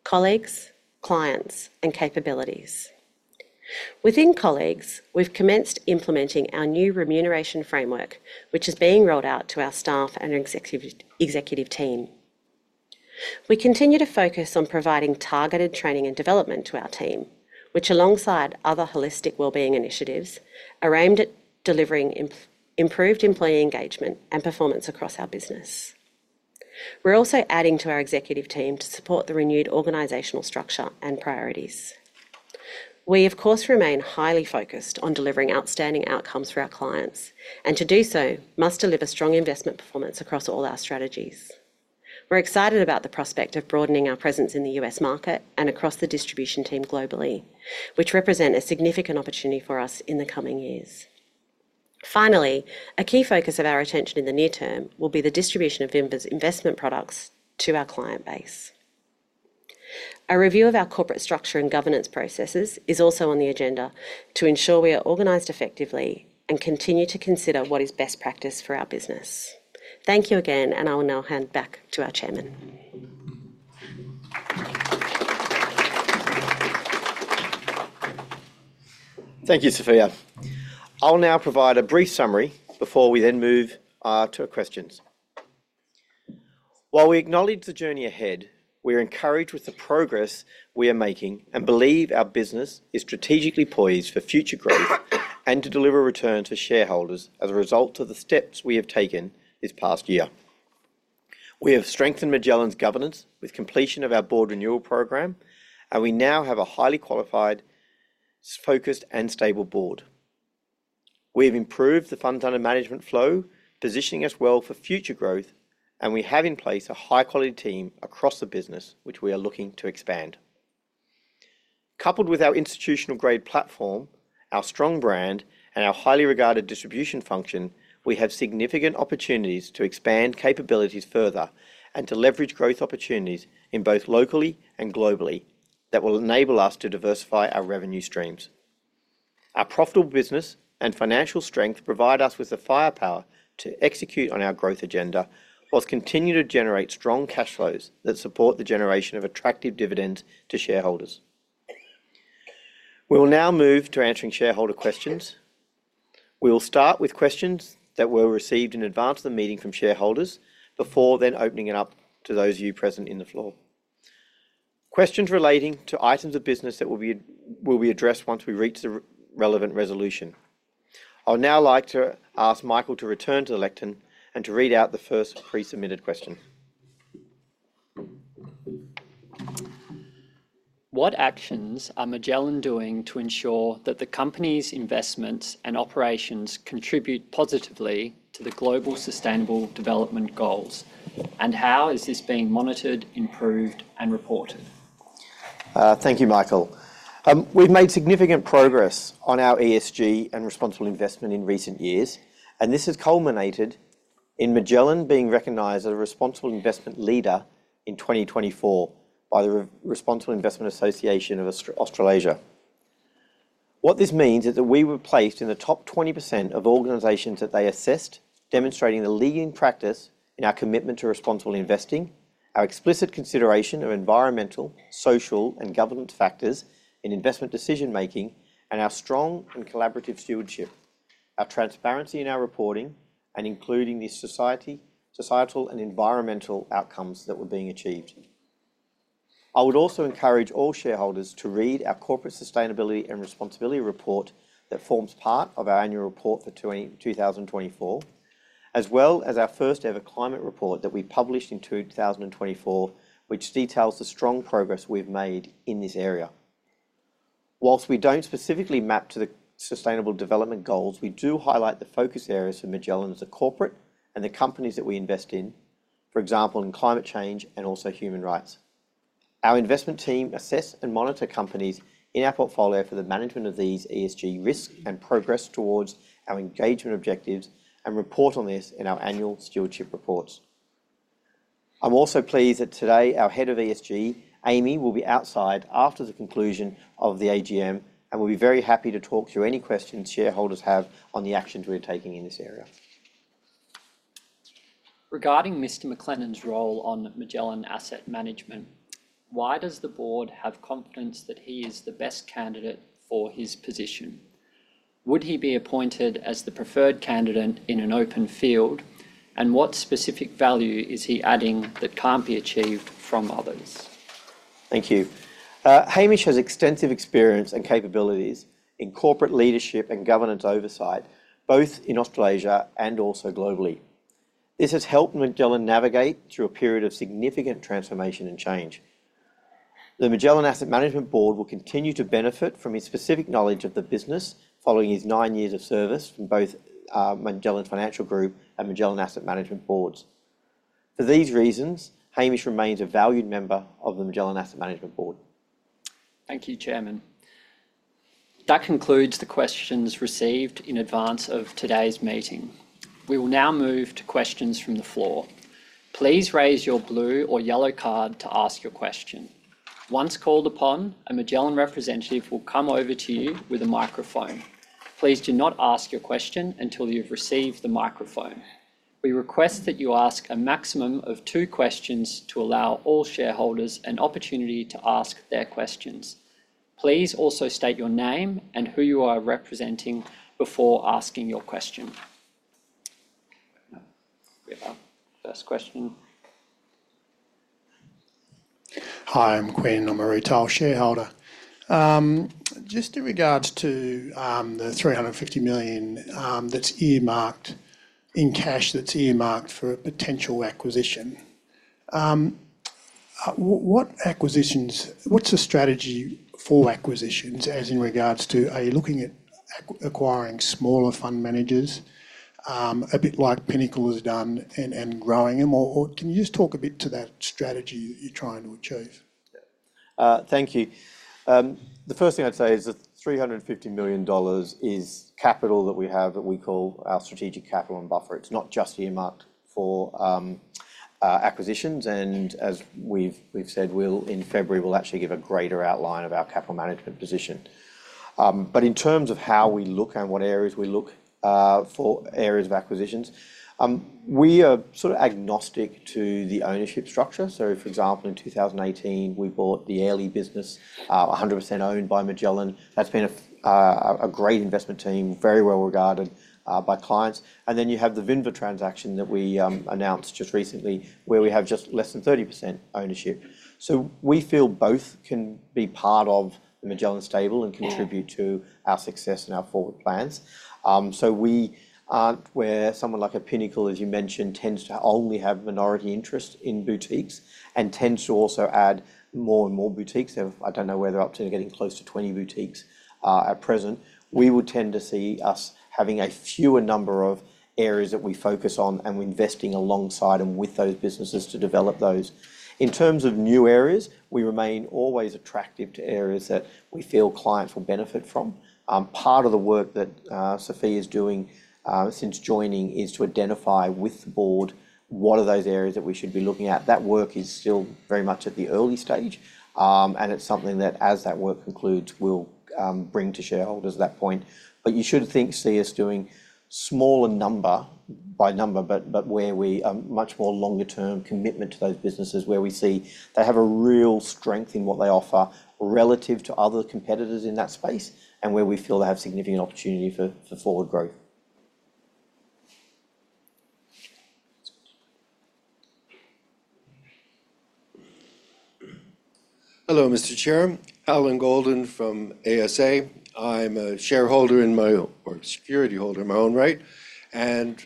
colleagues, clients, and capabilities. our colleagues, we've commenced implementing our new remuneration framework, which is being rolled out to our staff and executive team. We continue to focus on providing targeted training and development to our team, which, alongside other holistic well-being initiatives, are aimed at delivering improved employee engagement and performance across our business. We're also adding to our executive team to support the renewed organizational structure and priorities. We, of course, remain highly focused on delivering outstanding outcomes for our clients, and to do so, must deliver strong investment performance across all our strategies. We're excited about the prospect of broadening our presence in the U.S. market and across the distribution team globally, which represent a significant opportunity for us in the coming years. Finally, a key focus of our attention in the near term will be the distribution of Magellan's investment products to our client base. A review of our corporate structure and governance processes is also on the agenda to ensure we are organized effectively and continue to consider what is best practice for our business. Thank you again, and I will now hand back to our Chairman. Thank you, Sophia. I'll now provide a brief summary before we then move to questions. While we acknowledge the journey ahead, we are encouraged with the progress we are making and believe our business is strategically poised for future growth and to deliver a return to shareholders as a result of the steps we have taken this past year. We have strengthened Magellan's governance with completion of our Board renewal program, and we now have a highly qualified, focused, and stable Board. We have improved the funds under management flow, positioning us well for future growth, and we have in place a high-quality team across the business, which we are looking to expand. Coupled with our institutional-grade platform, our strong brand, and our highly regarded distribution function, we have significant opportunities to expand capabilities further and to leverage growth opportunities in both locally and globally that will enable us to diversify our revenue streams. Our profitable business and financial strength provide us with the firepower to execute on our growth agenda, whilst continue to generate strong cash flows that support the generation of attractive dividends to shareholders. We will now move to answering shareholder questions. We will start with questions that were received in advance of the meeting from shareholders, before then opening it up to those of you present on the floor. Questions relating to items of business that will be addressed once we reach the relevant resolution. I would now like to ask Michael to return to the lectern and to read out the first pre-submitted question. What actions are Magellan doing to ensure that the company's investments and operations contribute positively to the global Sustainable Development Goals, and how is this being monitored, improved, and reported? Thank you, Michael. We've made significant progress on our ESG and responsible investment in recent years, and this has culminated in Magellan being recognized as a Responsible Investment Leader in 2024 by the Responsible Investment Association Australasia. What this means is that we were placed in the top 20% of organizations that they assessed, demonstrating the leading practice in our commitment to responsible investing, our explicit consideration of environmental, social, and governance factors in investment decision-making, and our strong and collaborative stewardship, our transparency in our reporting, and including the societal and environmental outcomes that were being achieved. I would also encourage all shareholders to read our Corporate Sustainability and Responsibility Report that forms part of our Annual Report for 2024, as well as our first-ever Climate Report that we published in two thousand and twenty-four, which details the strong progress we've made in this area. While we don't specifically map to the Sustainable Development Goals, we do highlight the focus areas for Magellan as a corporate and the companies that we invest in, for example, in climate change and also human rights. Our investment team assess and monitor companies in our portfolio for the management of these ESG risks and progress towards our engagement objectives and report on this in our annual stewardship reports. I'm also pleased that today, our Head of ESG, Amy, will be outside after the conclusion of the AGM and will be very happy to talk through any questions shareholders have on the actions we're taking in this area. Regarding Mr. McLennan's role on Magellan Asset Management, why does the Board have confidence that he is the best candidate for his position? Would he be appointed as the preferred candidate in an open field, and what specific value is he adding that can't be achieved from others? Thank you. Hamish has extensive experience and capabilities in corporate leadership and governance oversight, both in Australasia and also globally. This has helped Magellan navigate through a period of significant transformation and change. The Magellan Asset Management Board will continue to benefit from his specific knowledge of the business following his nine years of service from both Magellan Financial Group and Magellan Asset Management Boards. For these reasons, Hamish remains a valued member of the Magellan Asset Management Board. Thank you, Chairman. That concludes the questions received in advance of today's meeting. We will now move to questions from the floor. Please raise your blue or yellow card to ask your question.... Once called upon, a Magellan representative will come over to you with a microphone. Please do not ask your question until you've received the microphone. We request that you ask a maximum of two questions to allow all shareholders an opportunity to ask their questions. Please also state your name and who you are representing before asking your question. We have our first question. Hi, I'm Quinn. I'm a retail shareholder. Just in regards to the 350 million that's earmarked in cash for a potential acquisition, what's the strategy for acquisitions, as in regards to are you looking at acquiring smaller fund managers, a bit like Pinnacle has done and, and growing them? Or, or can you just talk a bit to that strategy that you're trying to achieve? Thank you. The first thing I'd say is that 350 million dollars is capital that we have, that we call our strategic capital and buffer. It's not just earmarked for acquisitions, and as we've said, in February we'll actually give a greater outline of our capital management position. But in terms of how we look and what areas we look for areas of acquisitions, we are sort of agnostic to the ownership structure. So, for example, in 2018, we bought the Airlie business, 100% owned by Magellan. That's been a great investment team, very well-regarded by clients. And then you have the Vinva transaction that we announced just recently, where we have just less than 30% ownership. So we feel both can be part of the Magellan stable and contribute to our success and our forward plans. So we aren't where someone like a Pinnacle, as you mentioned, tends to only have minority interest in boutiques and tends to also add more and more boutiques. They've... I don't know whether they're up to getting close to 20 boutiques at present. We would tend to see us having a fewer number of areas that we focus on, and we're investing alongside and with those businesses to develop those. In terms of new areas, we remain always attractive to areas that we feel clients will benefit from. Part of the work that Sophia is doing since joining is to identify with the Board what are those areas that we should be looking at. That work is still very much at the early stage, and it's something that, as that work concludes, we'll bring to shareholders at that point. But you should think, see us doing smaller number, by number, but where we much more longer term commitment to those businesses, where we see they have a real strength in what they offer relative to other competitors in that space, and where we feel they have significant opportunity for forward growth. Hello, Mr. Chair. Alan Goldin from ASA. I'm a shareholder in my own right, or a security holder in my own right, and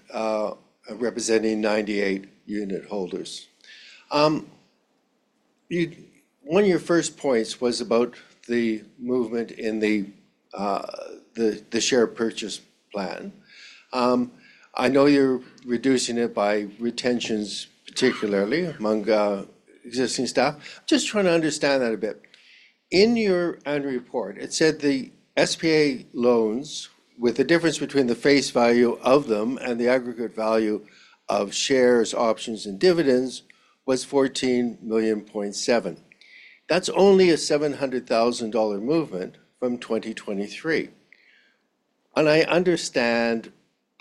representing 98 unit holders. You, one of your first points was about the movement in the Share Purchase Plan. I know you're reducing it by retentions, particularly among existing staff. Just trying to understand that a bit. In your annual report, it said the SPP loans, with the difference between the face value of them and the aggregate value of shares, options, and dividends, was 14.7 million. That's only a 700,000 dollar movement from 2023, and I understand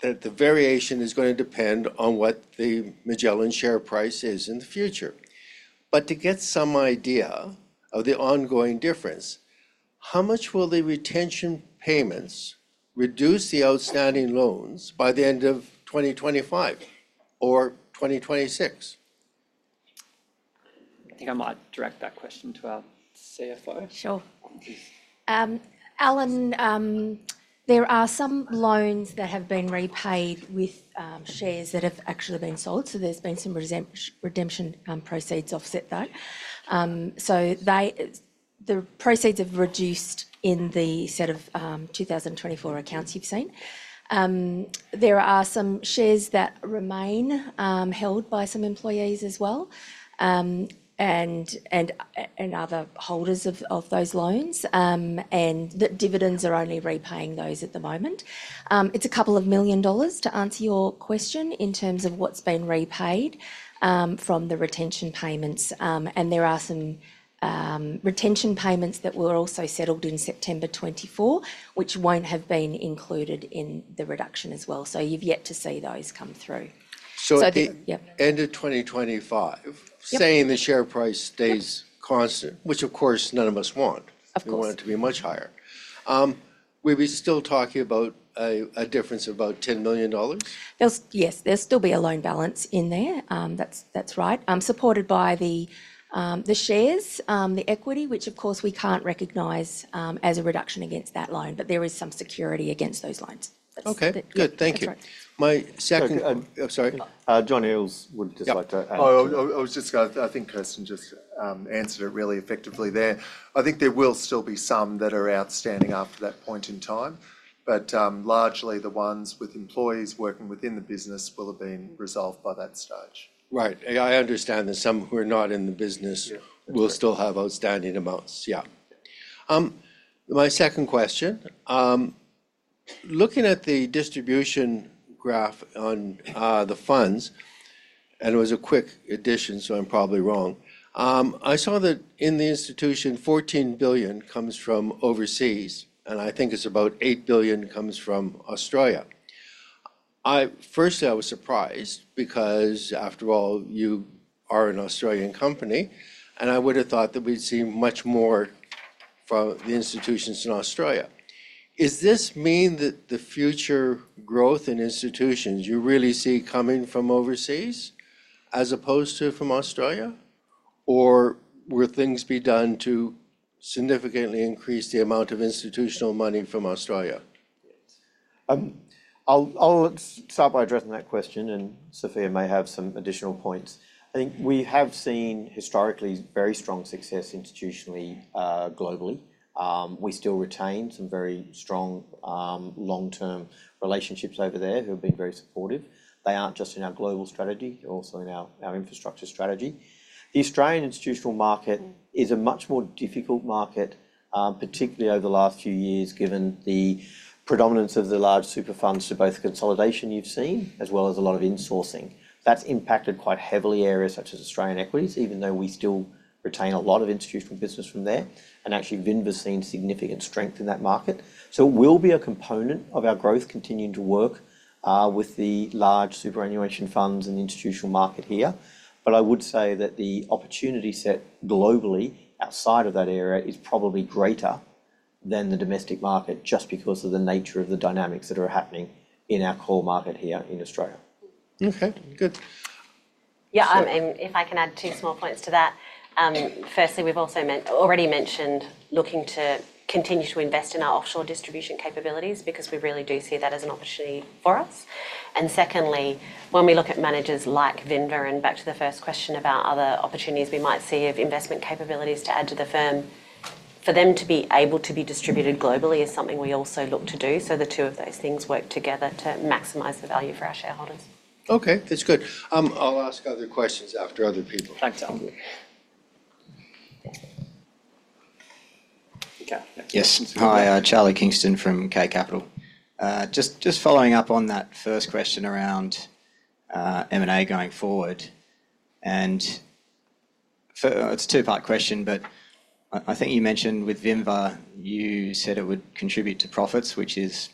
that the variation is going to depend on what the Magellan share price is in the future. But to get some idea of the ongoing difference, how much will the retention payments reduce the outstanding loans by the end of 2025 or 2026? I think I might direct that question to our CFO. Sure. Alan, there are some loans that have been repaid with shares that have actually been sold, so there's been some redemption proceeds offset though. So the proceeds have reduced in the set of 2024 accounts you've seen. There are some shares that remain held by some employees as well, and other holders of those loans, and the dividends are only repaying those at the moment. It's 2 million dollars, to answer your question, in terms of what's been repaid from the retention payments. There are some retention payments that were also settled in September 2024, which won't have been included in the reduction as well, so you've yet to see those come through. So the- Yeah. End of 2025- Yep... saying the share price stays- Yep... constant, which of course, none of us want. Of course. We want it to be much higher. We'll be still talking about a difference of about 10 million dollars? Yes, there'll still be a loan balance in there, that's, that's right, supported by the shares, the equity, which of course we can't recognize as a reduction against that loan, but there is some security against those loans. That's- Okay, good. Thank you. That's right. My second- Sorry, um... Sorry. John Eales would just like to add- Oh, I was just going. I think Kirsten just answered it really effectively there. I think there will still be some that are outstanding after that point in time, but largely, the ones with employees working within the business will have been resolved by that stage. Right. I understand there's some who are not in the business- Yeah... will still have outstanding amounts. Yeah. My second question: Looking at the distribution graph on the funds, and it was a quick addition, so I'm probably wrong. I saw that institutional 14 billion comes from overseas, and I think it's about 8 billion comes from Australia. Firstly, I was surprised because after all, you are an Australian company, and I would have thought that we'd see much more from the institutions in Australia. Does this mean that the future growth in institutions you really see coming from overseas as opposed to from Australia? Or will things be done to significantly increase the amount of institutional money from Australia? Yes, I'll start by addressing that question, and Sophia may have some additional points. I think we have seen historically very strong success institutionally, globally. We still retain some very strong, long-term relationships over there who have been very supportive. They aren't just in our global strategy, also in our infrastructure strategy. The Australian institutional market is a much more difficult market, particularly over the last few years, given the predominance of the large super funds to both the consolidation you've seen, as well as a lot of insourcing. That's impacted quite heavily areas such as Australian equities, even though we still retain a lot of institutional business from there, and actually, Vinva has seen significant strength in that market. So it will be a component of our growth continuing to work, with the large superannuation funds and the institutional market here. But I would say that the opportunity set globally outside of that area is probably greater than the domestic market, just because of the nature of the dynamics that are happening in our core market here in Australia. Okay, good. Yeah, and if I can add two small points to that. First, we've also already mentioned looking to continue to invest in our offshore distribution capabilities because we really do see that as an opportunity for us. And second, when we look at managers like Vinva, and back to the first question about other opportunities, we might see other investment capabilities to add to the firm, for them to be able to be distributed globally is something we also look to do. So the two of those things work together to maximize the value for our shareholders. Okay, that's good. I'll ask other questions after other people. Thanks, Tom. Okay. Yes. Hi, Charlie Kingston from K Capital. Just following up on that first question around M&A going forward, and for... It's a two-part question, but I think you mentioned with Vinva, you said it would contribute to profits, which is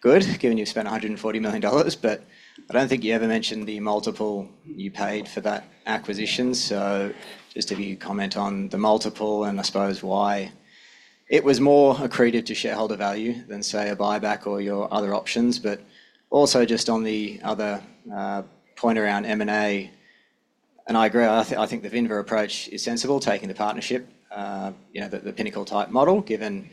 good, given you've spent 140 million dollars, but I don't think you ever mentioned the multiple you paid for that acquisition. So just if you comment on the multiple, and I suppose why it was more accretive to shareholder value than, say, a buyback or your other options. But also just on the other point around M&A, and I agree, I think the Vinva approach is sensible, taking the partnership, you know, the Pinnacle-type model, given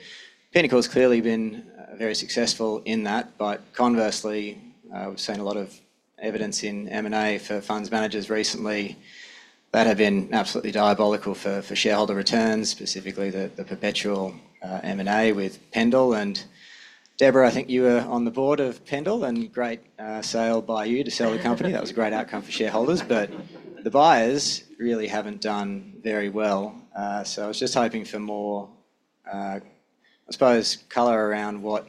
Pinnacle's clearly been very successful in that. But conversely, we've seen a lot of evidence in M&A for funds managers recently that have been absolutely diabolical for shareholder returns, specifically the Perpetual M&A with Pendal. And Deborah, I think you were on the Board of Pendal, and great sale by you to sell the company. That was a great outcome for shareholders, but the buyers really haven't done very well. So I was just hoping for more, I suppose, color around what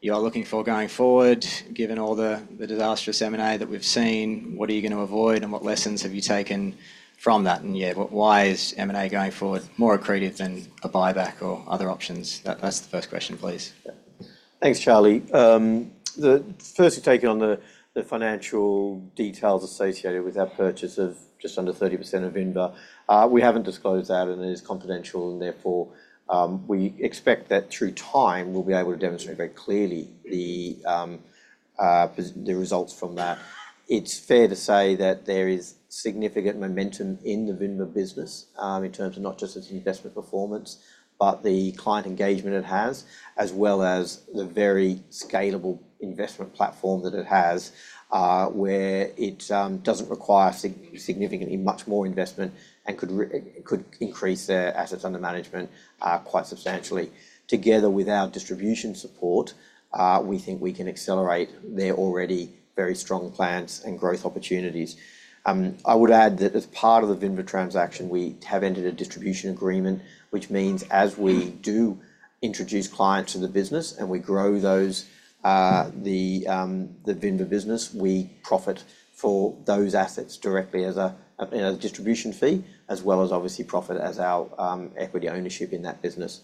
you're looking for going forward, given all the disastrous M&A that we've seen, what are you going to avoid, and what lessons have you taken from that? And, yeah, why is M&A going forward more accretive than a buyback or other options? That's the first question, please. Thanks, Charlie. Firstly, taking on the financial details associated with our purchase of just under 30% of Vinva. We haven't disclosed that, and it is confidential, and therefore, we expect that through time, we'll be able to demonstrate very clearly the results from that. It's fair to say that there is significant momentum in the Vinva business, in terms of not just its investment performance, but the client engagement it has, as well as the very scalable investment platform that it has, where it doesn't require significantly much more investment and could increase their assets under management quite substantially. Together with our distribution support, we think we can accelerate their already very strong plans and growth opportunities. I would add that as part of the Vinva transaction, we have entered a distribution agreement, which means as we do introduce clients to the business and we grow those, the Vinva business, we profit for those assets directly as a, you know, distribution fee, as well as obviously profit as our equity ownership in that business.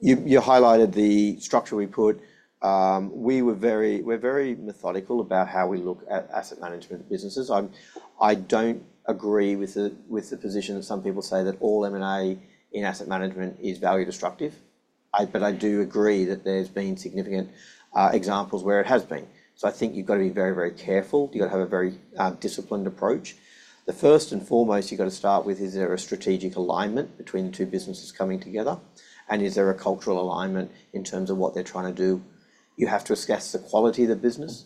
You highlighted the structure we put. We were very-- we're very methodical about how we look at asset management businesses. I don't agree with the position that some people say that all M&A in asset management is value destructive. But I do agree that there's been significant examples where it has been. So I think you've got to be very, very careful. You've got to have a very disciplined approach. The first and foremost, you've got to start with, is there a strategic alignment between the two businesses coming together? And is there a cultural alignment in terms of what they're trying to do? You have to assess the quality of the business,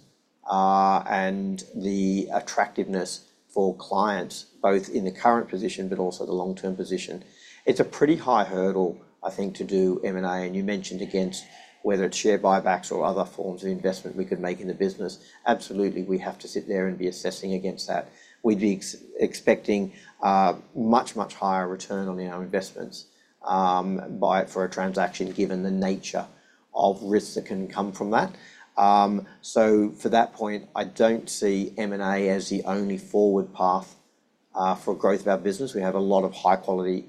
and the attractiveness for clients, both in the current position but also the long-term position. It's a pretty high hurdle, I think, to do M&A, and you mentioned against whether it's share buybacks or other forms of investment we could make in the business. Absolutely, we have to sit there and be assessing against that. We'd be expecting much, much higher return on our investments by, for a transaction, given the nature of risks that can come from that. So for that point, I don't see M&A as the only forward path for growth of our business. We have a lot of high-quality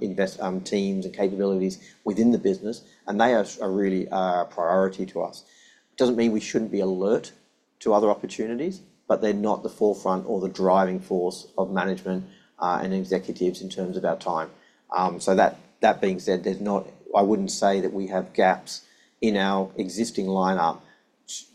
investment teams and capabilities within the business, and they are really a priority to us. Doesn't mean we shouldn't be alert to other opportunities, but they're not the forefront or the driving force of management and executives in terms of our time, so that being said, there's not. I wouldn't say that we have gaps in our existing lineup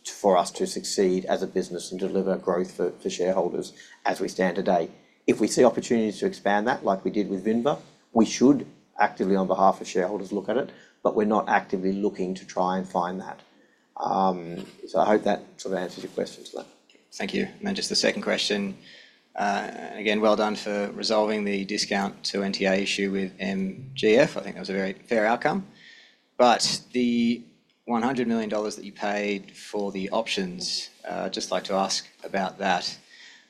for us to succeed as a business and deliver growth for shareholders as we stand today. If we see opportunities to expand that, like we did with Vinva, we should actively, on behalf of shareholders, look at it, but we're not actively looking to try and find that, so I hope that sort of answers your question, Glenn. Thank you. And then just the second question. Again, well done for resolving the discount to NTA issue with MGF. I think that was a very fair outcome. But the 100 million dollars that you paid for the options, I'd just like to ask about that.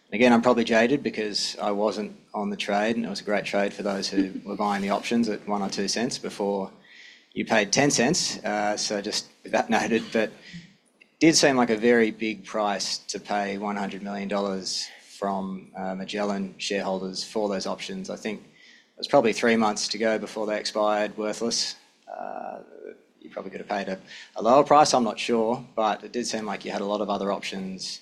And again, I'm probably jaded because I wasn't on the trade, and it was a great trade for those who were buying the options at 1 or 2 cents before you paid 10 cents. So just with that noted, but it did seem like a very big price to pay 100 million dollars from Magellan shareholders for those options. I think there was probably three months to go before they expired worthless. You probably could have paid a lower price, I'm not sure, but it did seem like you had a lot of other options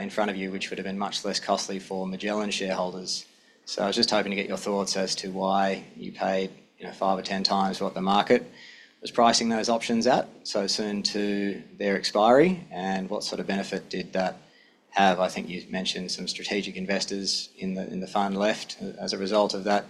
in front of you, which would've been much less costly for Magellan shareholders. So I was just hoping to get your thoughts as to why you paid, you know, five or 10 times what the market was pricing those options at so soon to their expiry, and what sort of benefit did that have? I think you mentioned some strategic investors in the fund left as a result of that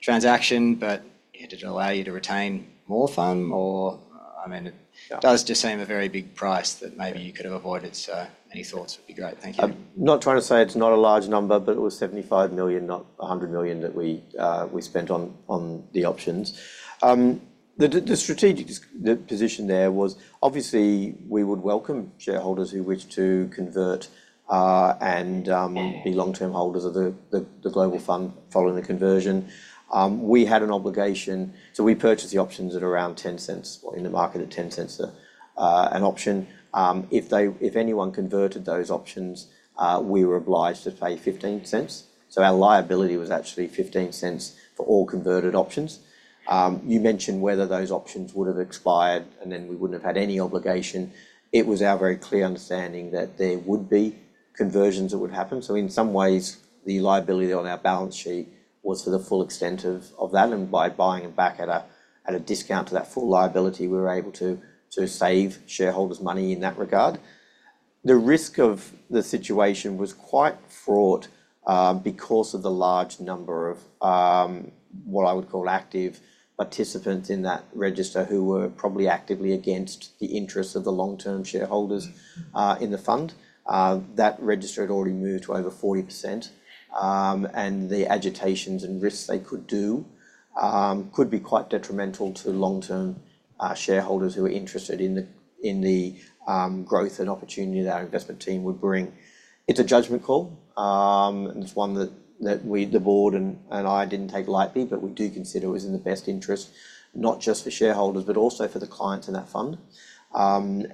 transaction, but did it allow you to retain more fund or... I mean, it- Yeah... does just seem a very big price that maybe you could have avoided. So any thoughts would be great. Thank you. I'm not trying to say it's not a large number, but it was 75 million, not 100 million, that we spent on the options. The strategic position there was obviously we would welcome shareholders who wished to convert and be long-term holders of the global fund following the conversion. We had an obligation, so we purchased the options at around 0.10, or in the market at 0.10 an option. If anyone converted those options, we were obliged to pay 0.15. So our liability was actually 0.15 for all converted options. You mentioned whether those options would've expired, and then we wouldn't have had any obligation. It was our very clear understanding that there would be conversions that would happen. So in some ways, the liability on our balance sheet was for the full extent of that, and by buying it back at a discount to that full liability, we were able to save shareholders money in that regard. The risk of the situation was quite fraught, because of the large number of what I would call active participants in that register, who were probably actively against the interests of the long-term shareholders in the fund. That register had already moved to over 40%, and the agitations and risks they could do could be quite detrimental to long-term shareholders who are interested in the growth and opportunity that our investment team would bring. It's a judgment call, and it's one that we, the Board, and I didn't take lightly, but we do consider it was in the best interest, not just for shareholders, but also for the clients in that fund,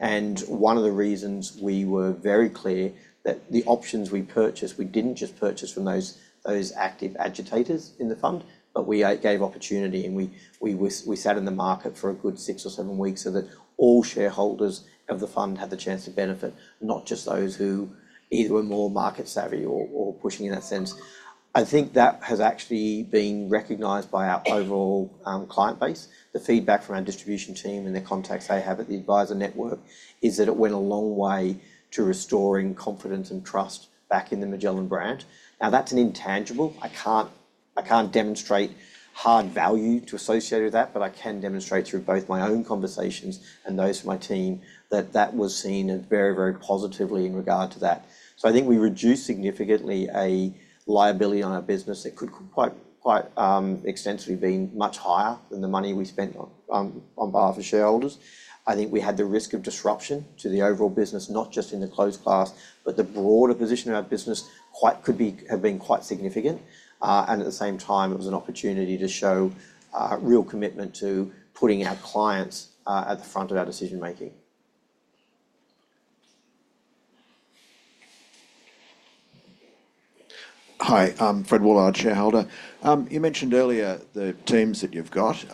and one of the reasons we were very clear that the options we purchased, we didn't just purchase from those active agitators in the fund, but we gave opportunity, and we sat in the market for a good six or seven weeks so that all shareholders of the fund had the chance to benefit, not just those who either were more market savvy or pushing in that sense. I think that has actually been recognized by our overall client base. The feedback from our distribution team and the contacts they have at the advisor network is that it went a long way to restoring confidence and trust back in the Magellan brand. Now, that's an intangible. I can't demonstrate hard value to associate with that, but I can demonstrate through both my own conversations and those of my team, that that was seen as very, very positively in regard to that. So I think we reduced significantly a liability on our business that could quite extensively been much higher than the money we spent on, on behalf of shareholders. I think we had the risk of disruption to the overall business, not just in the closed class, but the broader position of our business, quite could be, have been quite significant. and at the same time, it was an opportunity to show real commitment to putting our clients at the front of our decision-making. Hi, I'm Fred Woollard, shareholder. You mentioned earlier the teams that you've got.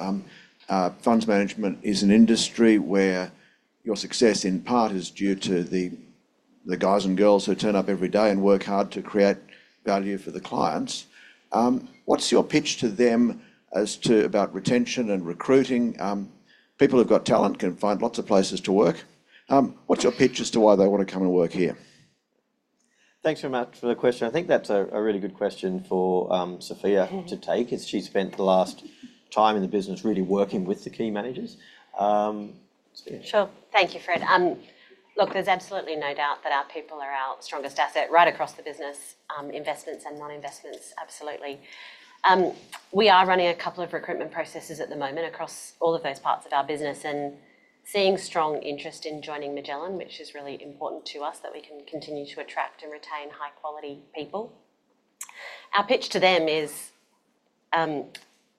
Funds management is an industry where your success, in part, is due to the guys and girls who turn up every day and work hard to create value for the clients. What's your pitch to them as to about retention and recruiting? People who've got talent can find lots of places to work. What's your pitch as to why they want to come and work here? Thanks very much for the question. I think that's a really good question for Sophia-... to take, as she's spent the last time in the business really working with the key managers. Sophia. Sure. Thank you, Fred. Look, there's absolutely no doubt that our people are our strongest asset right across the business, investments and non-investments, absolutely. We are running a couple of recruitment processes at the moment across all of those parts of our business and seeing strong interest in joining Magellan, which is really important to us, that we can continue to attract and retain high-quality people. Our pitch to them is, you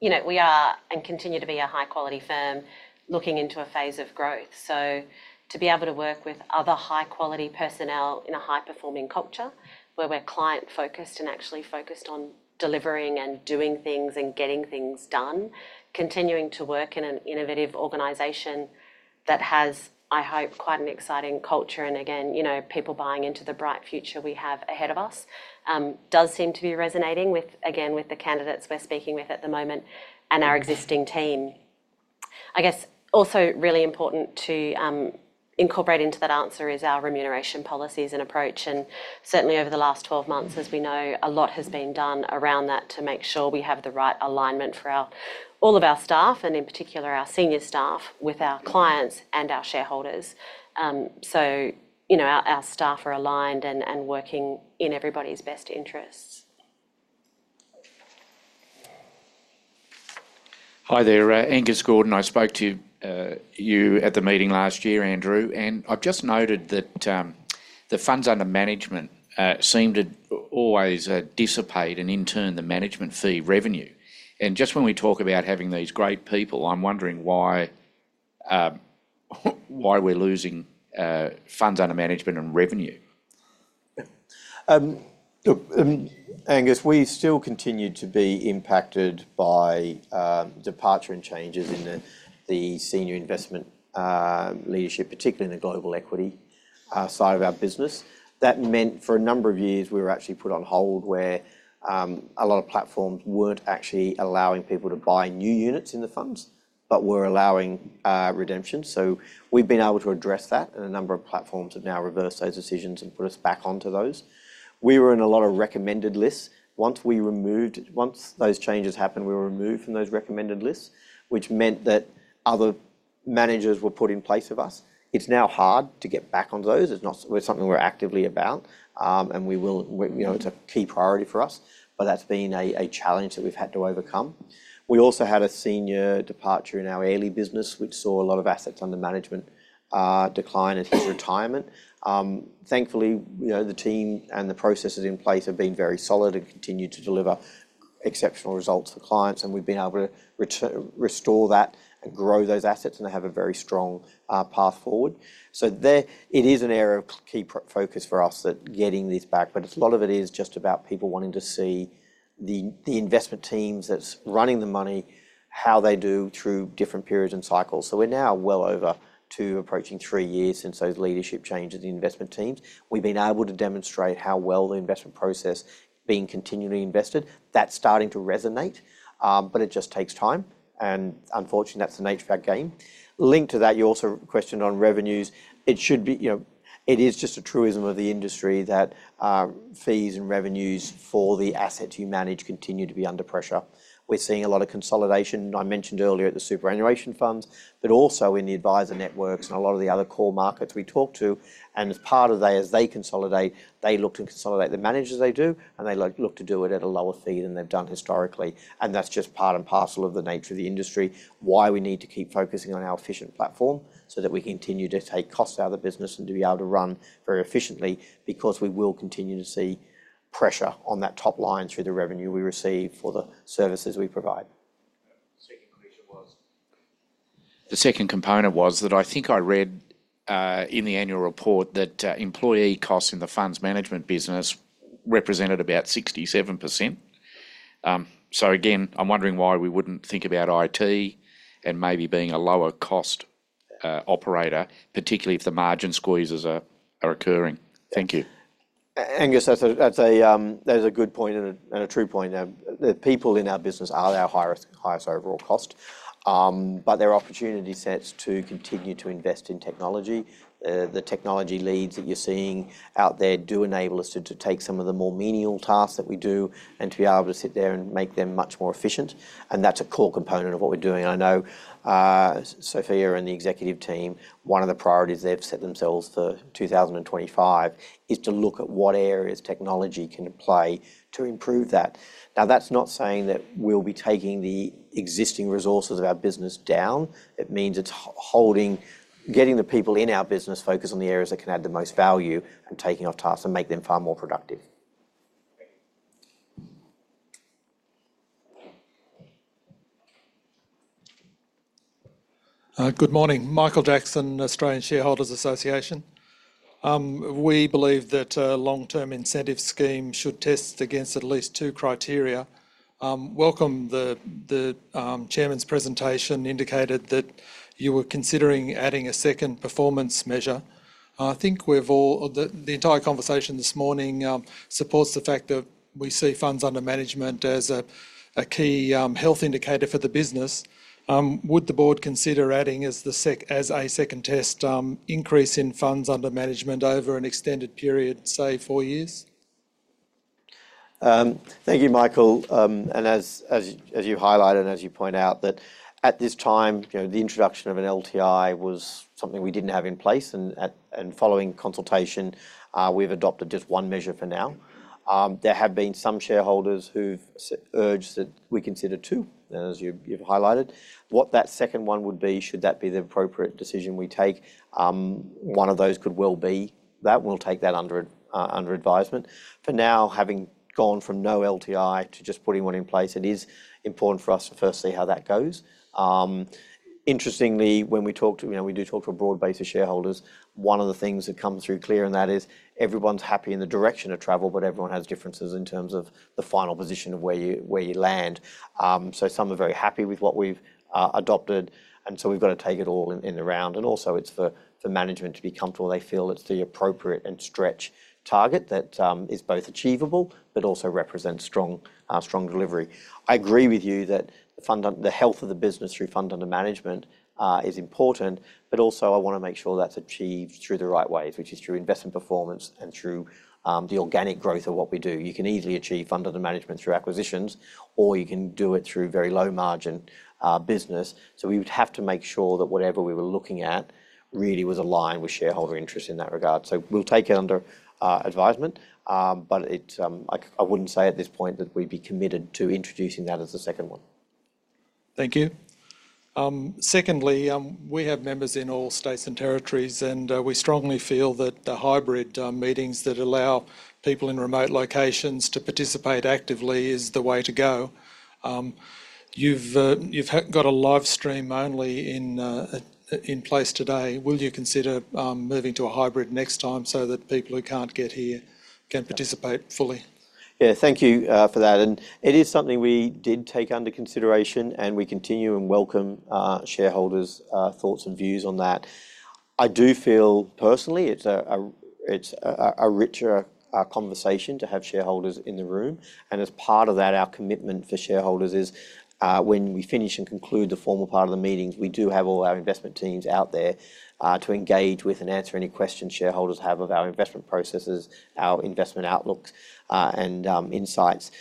know, we are and continue to be a high-quality firm looking into a phase of growth. To be able to work with other high-quality personnel in a high-performing culture, where we're client-focused and actually focused on delivering and doing things and getting things done, continuing to work in an innovative organization that has, I hope, quite an exciting culture, and again, you know, people buying into the bright future we have ahead of us, does seem to be resonating with, again, with the candidates we're speaking with at the moment and our existing team. I guess, also really important to, incorporate into that answer is our remuneration policies and approach, and certainly over the last twelve months, as we know, a lot has been done around that to make sure we have the right alignment for our, all of our staff, and in particular, our senior staff, with our clients and our shareholders. You know, our staff are aligned and working in everybody's best interests. Hi there, Angus Gordon. I spoke to you at the meeting last year, Andrew, and I've just noted that the funds under management seem to always dissipate, and in turn, the management fee revenue. Just when we talk about having these great people, I'm wondering why we're losing funds under management and revenue. Look, Angus, we still continue to be impacted by departure and changes in the senior investment leadership, particularly in the global equity side of our business. That meant, for a number of years, we were actually put on hold, where a lot of platforms weren't actually allowing people to buy new units in the funds, but were allowing redemption. So we've been able to address that, and a number of platforms have now reversed those decisions and put us back onto those. We were in a lot of recommended lists. Once those changes happened, we were removed from those recommended lists, which meant that other managers were put in place of us. It's now hard to get back on those. It's not something we're actively about, and you know, it's a key priority for us, but that's been a challenge that we've had to overcome. We also had a senior departure in our Airlie business, which saw a lot of assets under management decline at his retirement. Thankfully, you know, the team and the processes in place have been very solid and continued to deliver exceptional results for clients, and we've been able to restore that and grow those assets, and they have a very strong path forward. So there, it is an area of key focus for us, that getting this back, but a lot of it is just about people wanting to see the investment teams that's running the money, how they do through different periods and cycles. So we're now well over two, approaching three years since those leadership changes in the investment teams. We've been able to demonstrate how well the investment process being continually invested. That's starting to resonate, but it just takes time, and unfortunately, that's the nature of our game. Linked to that, you also questioned on revenues. It should be, you know. It is just a truism of the industry that, fees and revenues for the assets you manage continue to be under pressure. We're seeing a lot of consolidation, I mentioned earlier, at the superannuation funds, but also in the advisor networks and a lot of the other core markets we talk to, and as part of that, as they consolidate, they look to consolidate the managers they do, and they look to do it at a lower fee than they've done historically. And that's just part and parcel of the nature of the industry, why we need to keep focusing on our efficient platform, so that we continue to take costs out of the business and to be able to run very efficiently, because we will continue to see pressure on that top line through the revenue we receive for the services we provide. The second question was... The second component was that I think I read in the annual report that employee costs in the funds management business represented about 67%. So again, I'm wondering why we wouldn't think about IT and maybe being a lower cost operator, particularly if the margin squeezes are occurring. Thank you. Angus, that's a good point and a true point. The people in our business are our highest overall cost. But there are opportunity sets to continue to invest in technology. The technology leads that you're seeing out there do enable us to take some of the more menial tasks that we do and to be able to sit there and make them much more efficient, and that's a core component of what we're doing. I know Sophia and the executive team, one of the priorities they've set themselves for two thousand and twenty-five is to look at what areas technology can play to improve that. Now, that's not saying that we'll be taking the existing resources of our business down. It means it's holding, getting the people in our business focused on the areas that can add the most value, and taking off tasks and make them far more productive. Good morning, Michael Jackson, Australian Shareholders' Association. We believe that a long-term incentive scheme should test against at least two criteria. The chairman's presentation indicated that you were considering adding a second performance measure. I think we've all... The entire conversation this morning supports the fact that we see funds under management as a key health indicator for the business. Would the Board consider adding, as a second test, increase in funds under management over an extended period, say, four years?... Thank you, Michael. And as you highlighted, and as you point out, that at this time, you know, the introduction of an LTI was something we didn't have in place, and following consultation, we've adopted just one measure for now. There have been some shareholders who've urged that we consider two, as you've highlighted. What that second one would be, should that be the appropriate decision we take, one of those could well be that. We'll take that under advisement. For now, having gone from no LTI to just putting one in place, it is important for us to first see how that goes. Interestingly, when we talk to... You know, we do talk to a broad base of shareholders, one of the things that comes through clear, and that is everyone's happy in the direction of travel, but everyone has differences in terms of the final position of where you land. So some are very happy with what we've adopted, and so we've got to take it all in the round. And also, it's for management to be comfortable they feel it's the appropriate and stretch target that is both achievable, but also represents strong delivery. I agree with you that the health of the business through funds under management is important, but also I wanna make sure that's achieved through the right ways, which is through investment performance and through the organic growth of what we do. You can easily achieve funds under management through acquisitions, or you can do it through very low-margin business. So we would have to make sure that whatever we were looking at really was aligned with shareholder interest in that regard. So we'll take it under advisement, but it... I wouldn't say at this point that we'd be committed to introducing that as the second one. Thank you. Secondly, we have members in all states and territories, and we strongly feel that the hybrid meetings that allow people in remote locations to participate actively is the way to go. You've got a live stream only in place today. Will you consider moving to a hybrid next time so that people who can't get here can participate fully? Yeah. Thank you for that, and it is something we did take under consideration, and we continue and welcome shareholders' thoughts and views on that. I do feel personally it's a richer conversation to have shareholders in the room, and as part of that, our commitment for shareholders is when we finish and conclude the formal part of the meetings, we do have all our investment teams out there to engage with and answer any questions shareholders have of our investment processes, our investment outlooks, and insights.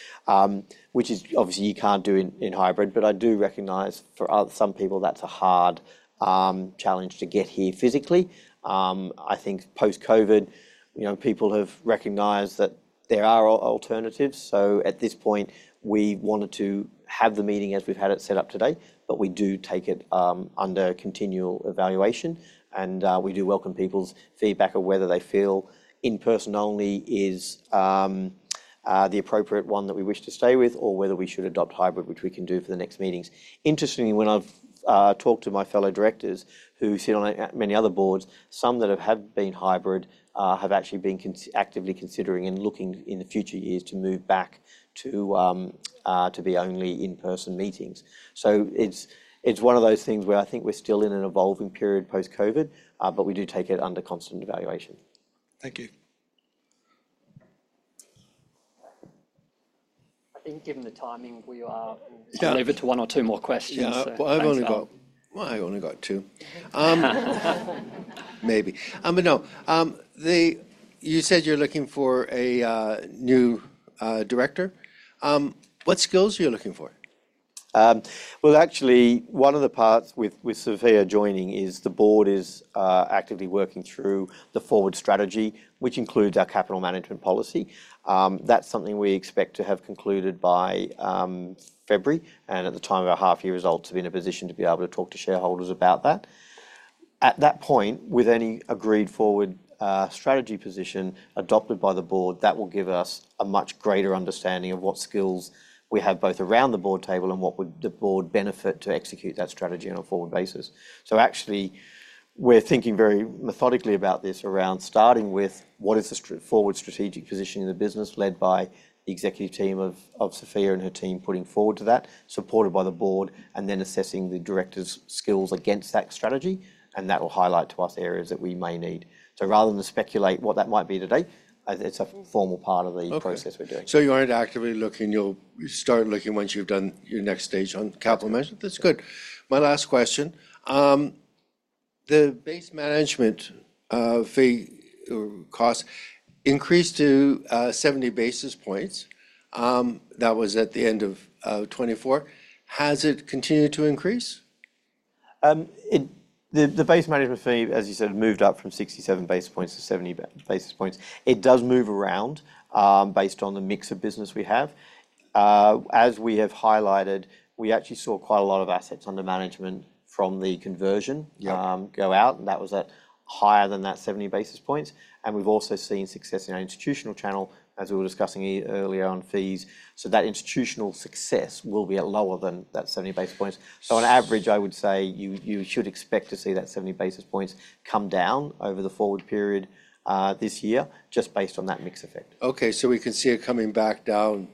Which is, obviously you can't do in hybrid, but I do recognize for some people, that's a hard challenge to get here physically. I think post-COVID, you know, people have recognized that there are alternatives, so at this point, we wanted to have the meeting as we've had it set up today, but we do take it under continual evaluation, and we do welcome people's feedback on whether they feel in-person only is the appropriate one that we wish to stay with, or whether we should adopt hybrid, which we can do for the next meetings. Interestingly, when I've talked to my fellow directors, who sit on many other Boards, some that have had been hybrid have actually been actively considering and looking in the future years to move back to be only in-person meetings. So it's, it's one of those things where I think we're still in an evolving period post-COVID, but we do take it under constant evaluation. Thank you. I think, given the timing, we are- Yeah... leave it to one or two more questions. Yeah. Thanks. Well, I've only got two. Maybe, but no. You said you're looking for a new director. What skills are you looking for? Well, actually, one of the paths with Sophia joining is the Board actively working through the forward strategy, which includes our capital management policy. That's something we expect to have concluded by February, and at the time of our half-year results, to be in a position to be able to talk to shareholders about that. At that point, with any agreed forward strategy position adopted by the Board, that will give us a much greater understanding of what skills we have, both around the Board table and what would the Board benefit to execute that strategy on a forward basis. Actually, we're thinking very methodically about this, around starting with: what is the straightforward strategic position in the business, led by the executive team of Sophia and her team putting forward to that, supported by the Board, and then assessing the directors' skills against that strategy, and that will highlight to us areas that we may need. Rather than speculate what that might be today, it's a formal part of the- Okay... process we're doing. So you aren't actively looking. You'll start looking once you've done your next stage on capital management. That's good. My last question, the base management fee cost increased to seventy basis points. That was at the end of 2024. Has it continued to increase? The base management fee, as you said, moved up from sixty-seven basis points to seventy basis points. It does move around, based on the mix of business we have. As we have highlighted, we actually saw quite a lot of assets under management from the conversion- Yeah... go out, and that was at higher than that 70 basis points, and we've also seen success in our institutional channel, as we were discussing earlier on fees. So that institutional success will be at lower than that 70 basis points. So on average, I would say you should expect to see that 70 basis points come down over the forward period, this year, just based on that mix effect. Okay, so we can see it coming back down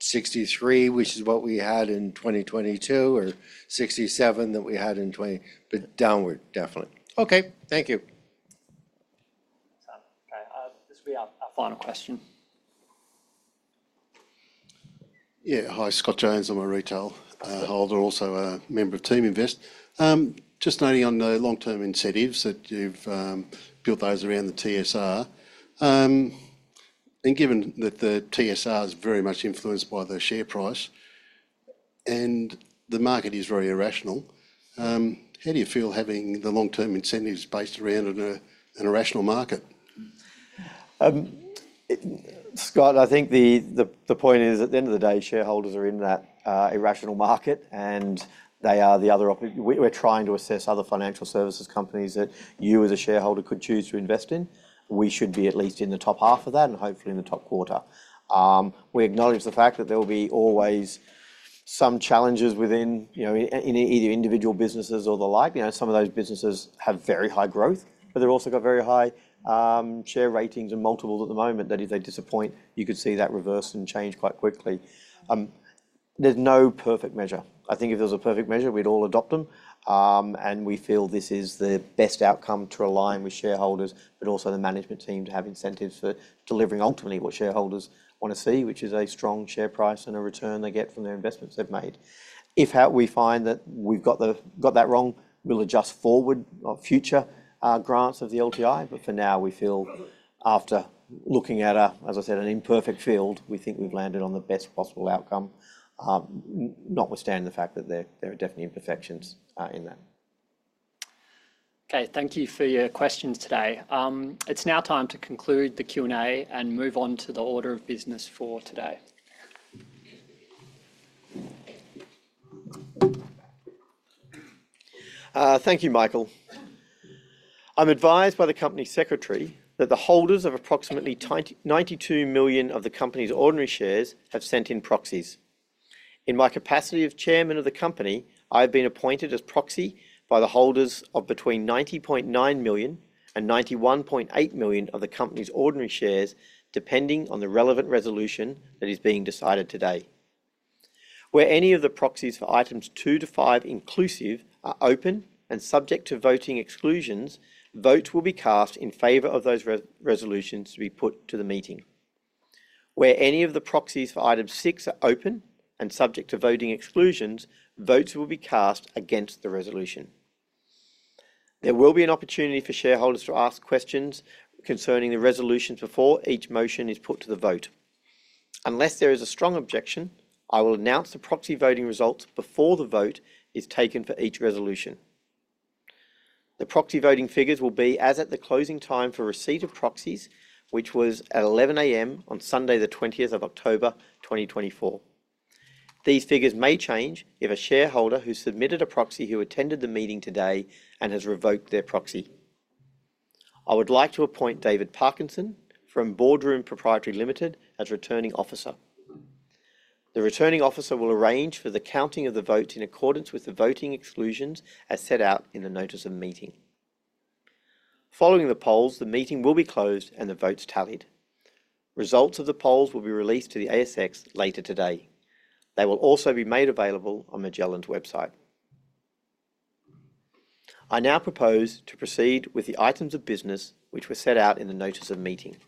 sixty-three, which is what we had in 2022, or sixty-seven that we had in 2020, but downward definitely. Okay, thank you. Okay, this will be our final question. ... Yeah. Hi, Scott Jones. I'm a retail holder, also a member of Teaminvest. Just noting on the long-term incentives that you've built those around the TSR, and given that the TSR is very much influenced by the share price and the market is very irrational, how do you feel having the long-term incentives based around an irrational market? Scott, I think the point is, at the end of the day, shareholders are in that irrational market, and they are the other. We're trying to assess other financial services companies that you, as a shareholder, could choose to invest in. We should be at least in the top half of that, and hopefully in the top quarter. We acknowledge the fact that there will be always some challenges within, you know, in either individual businesses or the like. You know, some of those businesses have very high growth, but they've also got very high share ratings and multiples at the moment, that if they disappoint, you could see that reverse and change quite quickly. There's no perfect measure. I think if there was a perfect measure, we'd all adopt them. And we feel this is the best outcome to align with shareholders, but also the management team to have incentives for delivering ultimately what shareholders want to see, which is a strong share price and a return they get from the investments they've made. If we find that we've got that wrong, we'll adjust forward our future grants of the LTI. But for now, we feel after looking at a, as I said, an imperfect field, we think we've landed on the best possible outcome, notwithstanding the fact that there are definitely imperfections in that. Okay, thank you for your questions today. It's now time to conclude the Q&A and move on to the order of business for today. Thank you, Michael. I'm advised by the company secretary that the holders of approximately ninety-two million of the company's ordinary shares have sent in proxies. In my capacity of Chairman of the company, I've been appointed as proxy by the holders of between ninety-point nine million and ninety-one point eight million of the company's ordinary shares, depending on the relevant resolution that is being decided today. Where any of the proxies for Items 2 to 5 inclusive are open and subject to voting exclusions, votes will be cast in favor of those resolutions to be put to the meeting. Where any of the proxies for Item 6 are open and subject to voting exclusions, votes will be cast against the resolution. There will be an opportunity for shareholders to ask questions concerning the resolutions before each motion is put to the vote. Unless there is a strong objection, I will announce the proxy voting results before the vote is taken for each resolution. The proxy voting figures will be as at the closing time for receipt of proxies, which was at 11:00 A.M. on Sunday, the 20th of October, 2024. These figures may change if a shareholder who submitted a proxy, who attended the meeting today and has revoked their proxy. I would like to appoint David Parkinson from Boardroom Pty Limited as Returning Officer. The Returning Officer will arrange for the counting of the votes in accordance with the voting exclusions, as set out in the Notice of Meeting. Following the polls, the meeting will be closed and the votes tallied. Results of the polls will be released to the ASX later today. They will also be made available on Magellan's website. I now propose to proceed with the items of business, which were set out in the Notice of Meeting.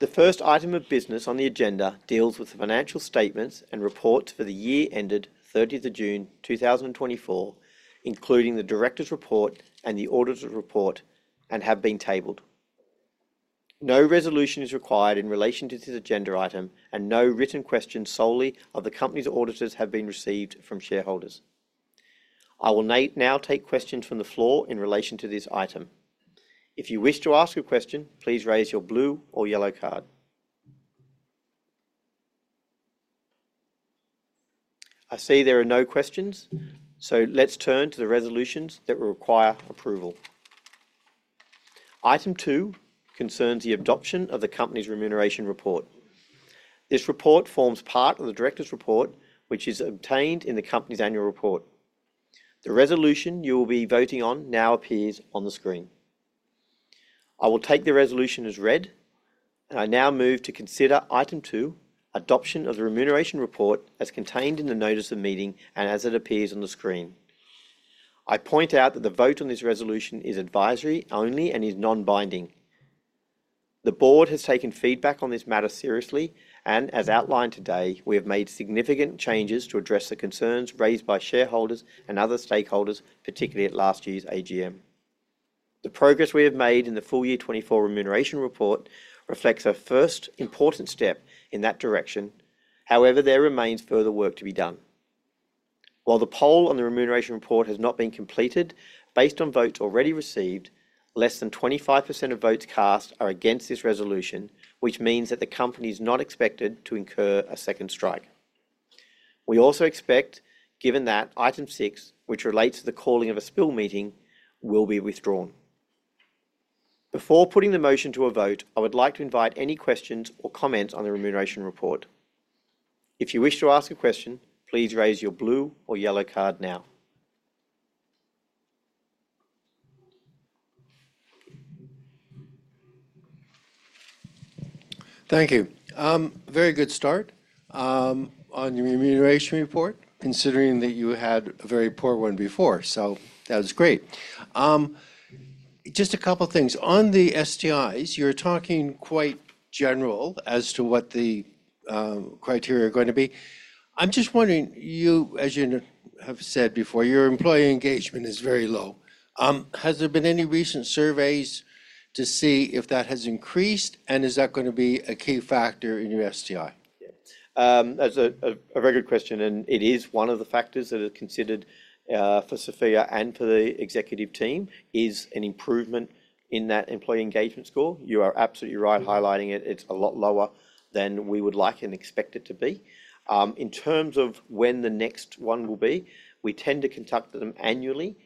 The first item of business on the agenda deals with the financial statements and reports for the year ended thirtieth of June 2024, including the Directors' Report and the Auditor's Report, and have been tabled. No resolution is required in relation to this agenda item, and no written questions solely of the company's auditors have been received from shareholders. I will now take questions from the floor in relation to this item. If you wish to ask a question, please raise your blue or yellow card. I see there are no questions, so let's turn to the resolutions that will require approval. Item two concerns the adoption of the company's Remuneration Report. This report forms part of the Directors' Report, which is contained in the company's annual report. The resolution you will be voting on now appears on the screen. I will take the resolution as read, and I now move to consider Item 2, adoption of the Remuneration Report, as contained in the Notice of Meeting and as it appears on the screen. I point out that the vote on this resolution is advisory only and is non-binding. The Board has taken feedback on this matter seriously, and as outlined today, we have made significant changes to address the concerns raised by shareholders and other stakeholders, particularly at last year's AGM. The progress we have made in the full year 2024 Remuneration Report reflects our first important step in that direction. However, there remains further work to be done. While the poll on the Remuneration Report has not been completed, based on votes already received, less than 25% of votes cast are against this resolution, which means that the company is not expected to incur a second strike. We also expect, given that Item 6, which relates to the calling of a spill meeting, will be withdrawn. Before putting the motion to a vote, I would like to invite any questions or comments on the Remuneration Report. If you wish to ask a question, please raise your blue or yellow card now. Thank you. Very good start on your Remuneration Report, considering that you had a very poor one before, so that was great.... Just a couple things. On the STIs, you're talking quite general as to what the criteria are going to be. I'm just wondering, as you have said before, your employee engagement is very low. Has there been any recent surveys to see if that has increased, and is that gonna be a key factor in your STI? Yeah. That's a very good question, and it is one of the factors that are considered for Sophia and for the executive team, is an improvement in that employee engagement score. You are absolutely right highlighting it. It's a lot lower than we would like and expect it to be. In terms of when the next one will be, we tend to conduct them annually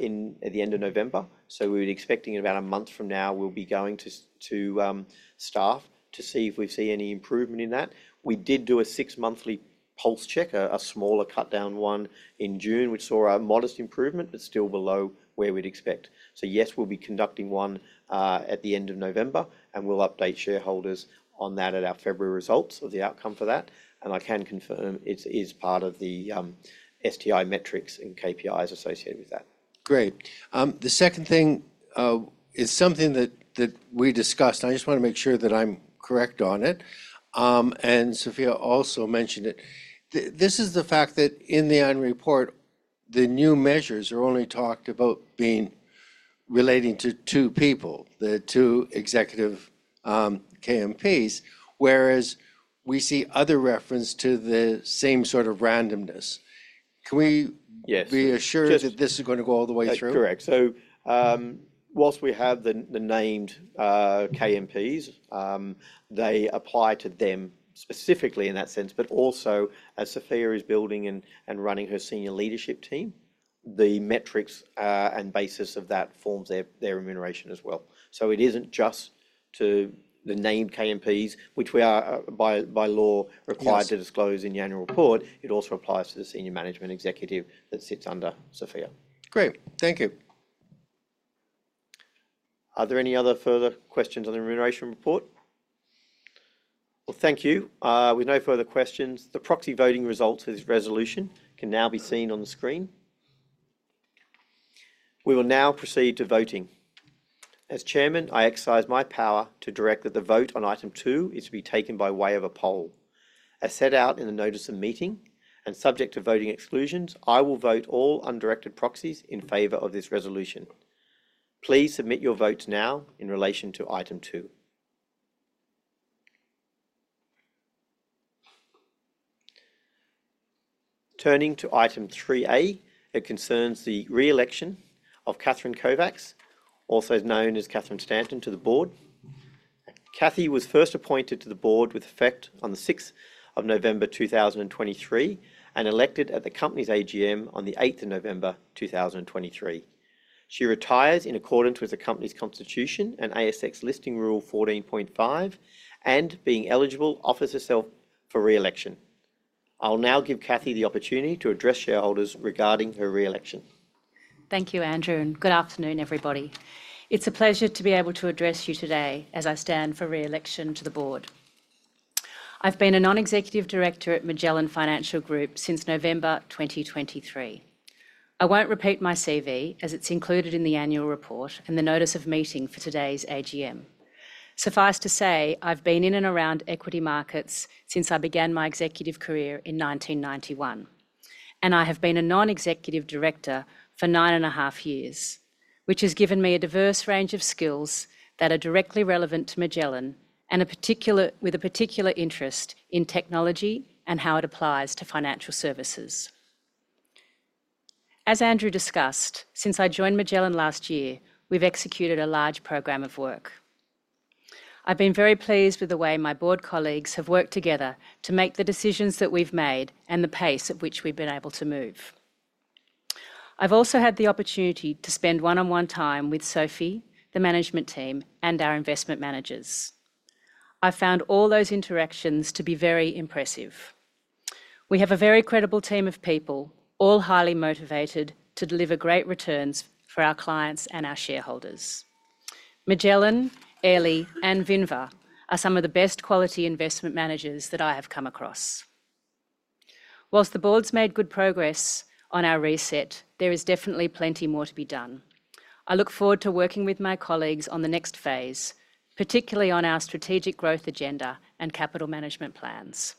in at the end of November, so we're expecting in about a month from now we'll be going to to staff to see if we see any improvement in that. We did do a six-monthly pulse check, a smaller cut-down one, in June. We saw a modest improvement, but still below where we'd expect. So yes, we'll be conducting one at the end of November, and we'll update shareholders on that at our February results of the outcome for that, and I can confirm it is part of the STI metrics and KPIs associated with that. Great. The second thing is something that we discussed, and I just wanna make sure that I'm correct on it, and Sophia also mentioned it. This is the fact that in the annual report, the new measures are only talked about being relating to two people, the two executive KMPs, whereas we see other reference to the same sort of randomness. Can we- Yes... be assured that this is gonna go all the way through? That's correct. So, while we have the named KMPs, they apply to them specifically in that sense, but also, as Sophia is building and running her senior leadership team, the metrics and basis of that forms their remuneration as well. So it isn't just to the named KMPs, which we are by law- Yes... required to disclose in the annual report. It also applies to the senior management executive that sits under Sophia. Great, thank you. Are there any other further questions on the Remuneration Report? Well, thank you. With no further questions, the proxy voting results for this resolution can now be seen on the screen. We will now proceed to voting. As chairman, I exercise my power to direct that the vote on Item 2 is to be taken by way of a poll. As set out in the Notice of Meeting, and subject to voting exclusions, I will vote all undirected proxies in favor of this resolution. Please submit your vote now in relation to Item 2. Turning to Item 3A, it concerns the re-election of Catherine Kovacs, also known as Catherine Stanton, to the Board. Cathy was first appointed to the Board with effect on the 6th of November 2023, and elected at the company's AGM on the 8th of November 2023. She retires in accordance with the company's constitution and ASX Listing Rule 14.5, and being eligible, offers herself for re-election. I'll now give Cathy the opportunity to address shareholders regarding her re-election. Thank you, Andrew, and good afternoon, everybody. It's a pleasure to be able to address you today as I stand for re-election to the Board. I've been a non-executive director at Magellan Financial Group since November 2023. I won't repeat my CV, as it's included in the annual report and the Notice of Meeting for today's AGM. Suffice to say, I've been in and around equity markets since I began my executive career in 1991, and I have been a non-executive director for nine and a half years, which has given me a diverse range of skills that are directly relevant to Magellan, and a particular interest in technology and how it applies to financial services. As Andrew discussed, since I joined Magellan last year, we've executed a large program of work. I've been very pleased with the way my Board colleagues have worked together to make the decisions that we've made and the pace at which we've been able to move. I've also had the opportunity to spend one-on-one time with Sophia, the management team, and our investment managers. I've found all those interactions to be very impressive. We have a very credible team of people, all highly motivated to deliver great returns for our clients and our shareholders. Magellan, Airlie, and Vinva are some of the best quality investment managers that I have come across. While the Board's made good progress on our reset, there is definitely plenty more to be done. I look forward to working with my colleagues on the next phase, particularly on our strategic growth agenda and capital management plans.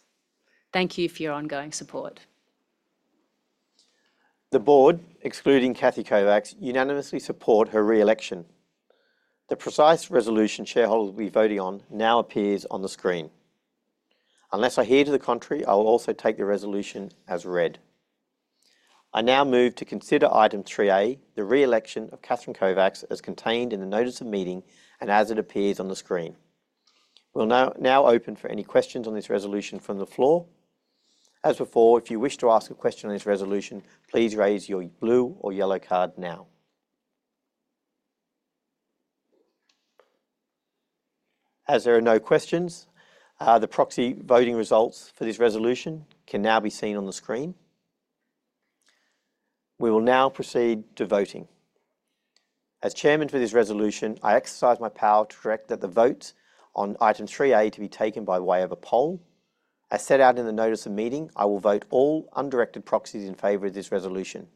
Thank you for your ongoing support. The Board, excluding Cathy Kovacs, unanimously support her re-election. The precise resolution shareholders will be voting on now appears on the screen. Unless I hear to the contrary, I will also take the resolution as read. I now move to consider Item 3A, the re-election of Catherine Kovacs, as contained in the Notice of Meeting and as it appears on the screen. We'll now open for any questions on this resolution from the floor. As before, if you wish to ask a question on this resolution, please raise your blue or yellow card now. As there are no questions, the proxy voting results for this resolution can now be seen on the screen. We will now proceed to voting. As chairman for this resolution, I exercise my power to direct that the vote on Item 3A to be taken by way of a poll. As set out in the Notice of Meeting, I will vote all undirected proxies in favor of this resolution.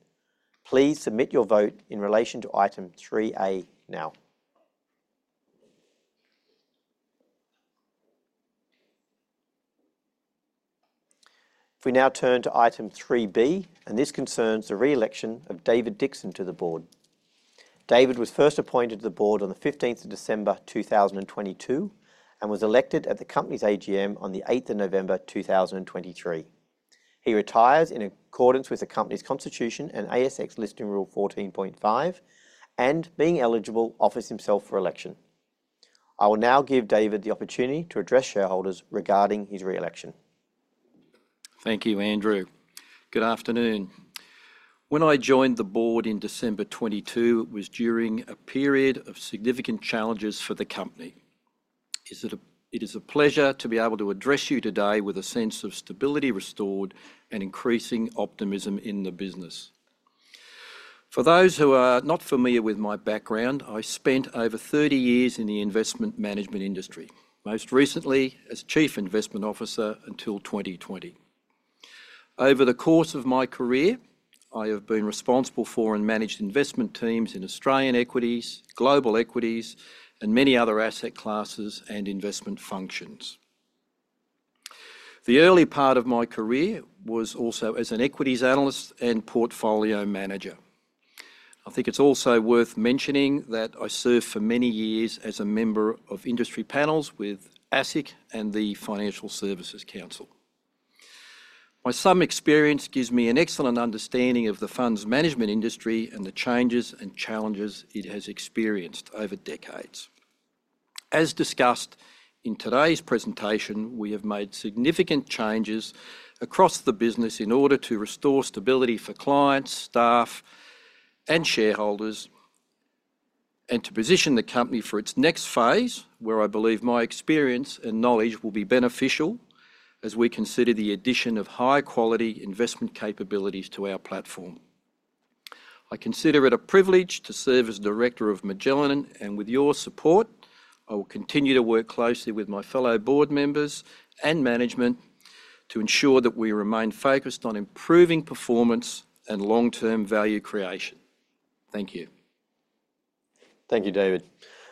Please submit your vote in relation to Item 3A now. If we now turn to Item 3B, and this concerns the re-election of David Dixon to the Board. David was first appointed to the Board on the 15th of December, 2022, and was elected at the company's AGM on the 8th of November, 2023. He retires in accordance with the company's constitution and ASX Listing Rule 14.5, and being eligible, offers himself for election. I will now give David the opportunity to address shareholders regarding his re-election. Thank you, Andrew. Good afternoon. When I joined the Board in December 2022, it was during a period of significant challenges for the company. It is a pleasure to be able to address you today with a sense of stability restored and increasing optimism in the business. For those who are not familiar with my background, I spent over thirty years in the investment management industry, most recently as Chief Investment Officer until 2020. Over the course of my career, I have been responsible for and managed investment teams in Australian equities, global equities, and many other asset classes and investment functions. The early part of my career was also as an equities analyst and portfolio manager. I think it's also worth mentioning that I served for many years as a member of industry panels with ASIC and the Financial Services Council. My sum experience gives me an excellent understanding of the funds management industry and the changes and challenges it has experienced over decades. As discussed in today's presentation, we have made significant changes across the business in order to restore stability for clients, staff, and shareholders, and to position the company for its next phase, where I believe my experience and knowledge will be beneficial as we consider the addition of high-quality investment capabilities to our platform. I consider it a privilege to serve as Director of Magellan, and with your support, I will continue to work closely with my fellow Board members and management to ensure that we remain focused on improving performance and long-term value creation. Thank you. Thank you, David.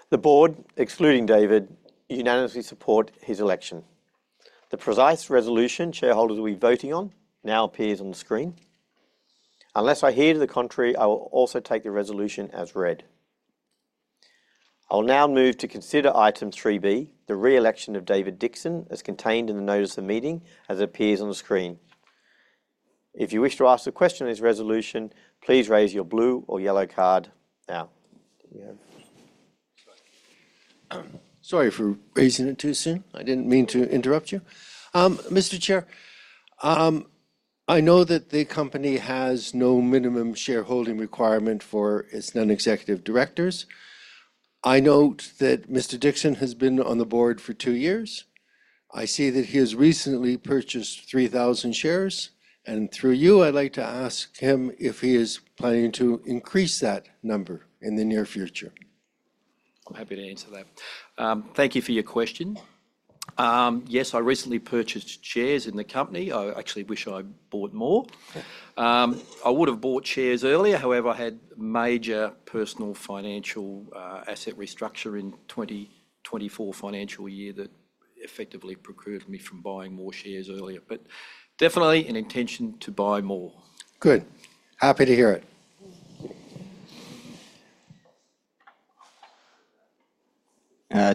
The Board, excluding David, unanimously support his election. The precise resolution shareholders will be voting on now appears on the screen. Unless I hear to the contrary, I will also take the resolution as read. I'll now move to consider Item 3B, the re-election of David Dixon, as contained in the notice of the meeting, as it appears on the screen. If you wish to ask a question on this resolution, please raise your blue or yellow card now. Do we have? Sorry for raising it too soon. I didn't mean to interrupt you. Mr. Chair, I know that the company has no minimum shareholding requirement for its non-executive directors. I note that Mr. Dixon has been on the Board for two years. I see that he has recently purchased three thousand shares, and through you, I'd like to ask him if he is planning to increase that number in the near future. I'm happy to answer that. Thank you for your question. Yes, I recently purchased shares in the company. I actually wish I'd bought more. I would have bought shares earlier, however, I had major personal financial asset restructure in 2024 financial year that effectively precluded me from buying more shares earlier, but definitely an intention to buy more. Good. Happy to hear it.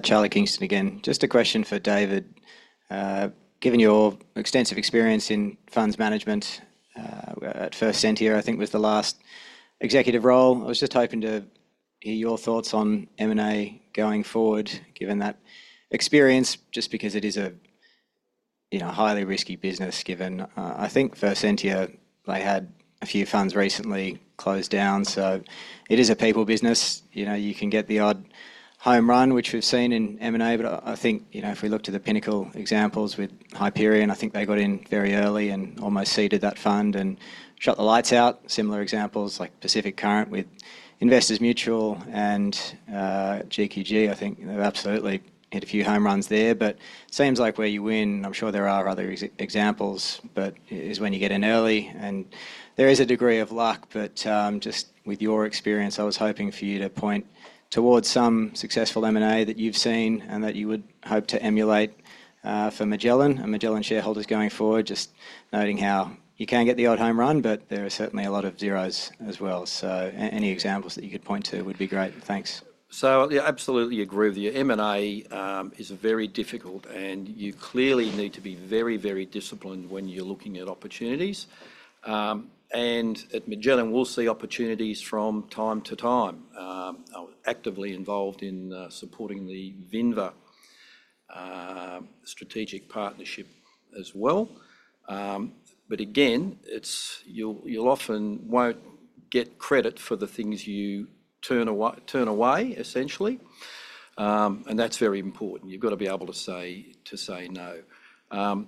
Charlie Kingston again. Just a question for David. Given your extensive experience in funds management at First Sentier, I think, was the last executive role, I was just hoping to hear your thoughts on M&A going forward, given that experience, just because it is a, you know, highly risky business, given. I think First Sentier, they had a few funds recently closed down, so it is a people business. You know, you can get the odd home run, which we've seen in M&A, but I think, you know, if we look to the Pinnacle examples with Hyperion, I think they got in very early and almost seeded that fund and shut the lights out. Similar examples, like Pacific Current with Investors Mutual and, GQG, I think they've absolutely hit a few home runs there. But seems like where you win, I'm sure there are other examples, but is when you get in early, and there is a degree of luck, but, just with your experience, I was hoping for you to point towards some successful M&A that you've seen and that you would hope to emulate, for Magellan and Magellan shareholders going forward. Just noting how you can get the odd home run, but there are certainly a lot of zeros as well. So any examples that you could point to would be great. Thanks. So, yeah, absolutely agree with you. M&A is very difficult, and you clearly need to be very, very disciplined when you're looking at opportunities. And at Magellan, we'll see opportunities from time to time. I was actively involved in supporting the Vinva strategic partnership as well. But again, it's you'll often won't get credit for the things you turn away, essentially. And that's very important. You've gotta be able to say no. At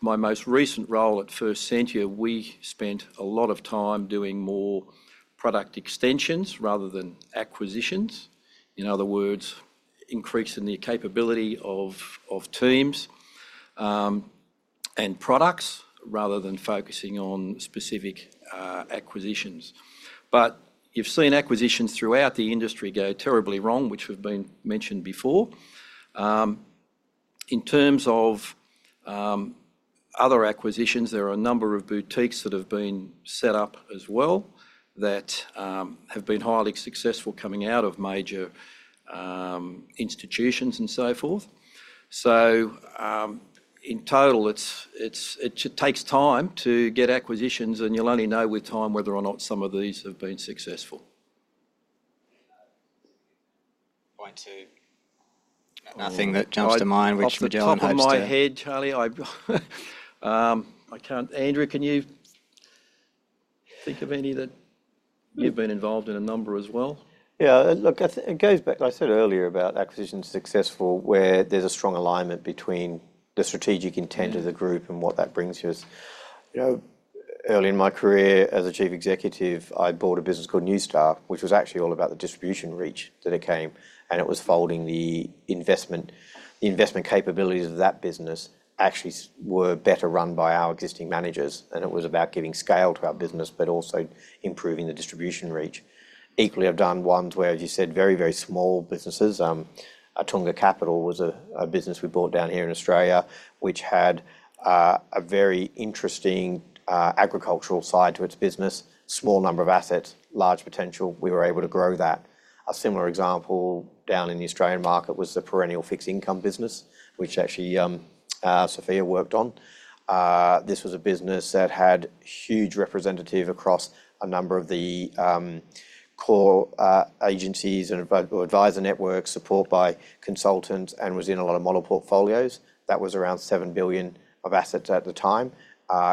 my most recent role at First Sentier, we spent a lot of time doing more product extensions rather than acquisitions. In other words, increasing the capability of teams and products, rather than focusing on specific acquisitions. But you've seen acquisitions throughout the industry go terribly wrong, which have been mentioned before. In terms of other acquisitions, there are a number of boutiques that have been set up as well, that have been highly successful coming out of major institutions, and so forth. So, in total, it takes time to get acquisitions, and you'll only know with time whether or not some of these have been successful. Point to nothing that jumps to mind, which Magellan hopes to- Off the top of my head, Charlie, I can't... Andrew, can you think of any that- No. You've been involved in a number as well? Yeah, look, it goes back. I said earlier, about acquisitions successful, where there's a strong alignment between the strategic intent of the group-... and what that brings us. You know, early in my career as a chief executive, I bought a business called New Star, which was actually all about the distribution reach that it came, and it was folding the investment. The investment capabilities of that business actually were better run by our existing managers, and it was about giving scale to our business, but also improving the distribution reach. Equally, I've done ones where, as you said, very, very small businesses. Attunga Capital was a business we bought down here in Australia, which had a very interesting agricultural side to its business, small number of assets, large potential. We were able to grow that. A similar example down in the Australian market was the Perennial fixed income business, which actually Sophia worked on. This was a business that had huge representation across a number of the core agencies and advisor networks, supported by consultants, and was in a lot of model portfolios. That was around 7 billion of assets at the time.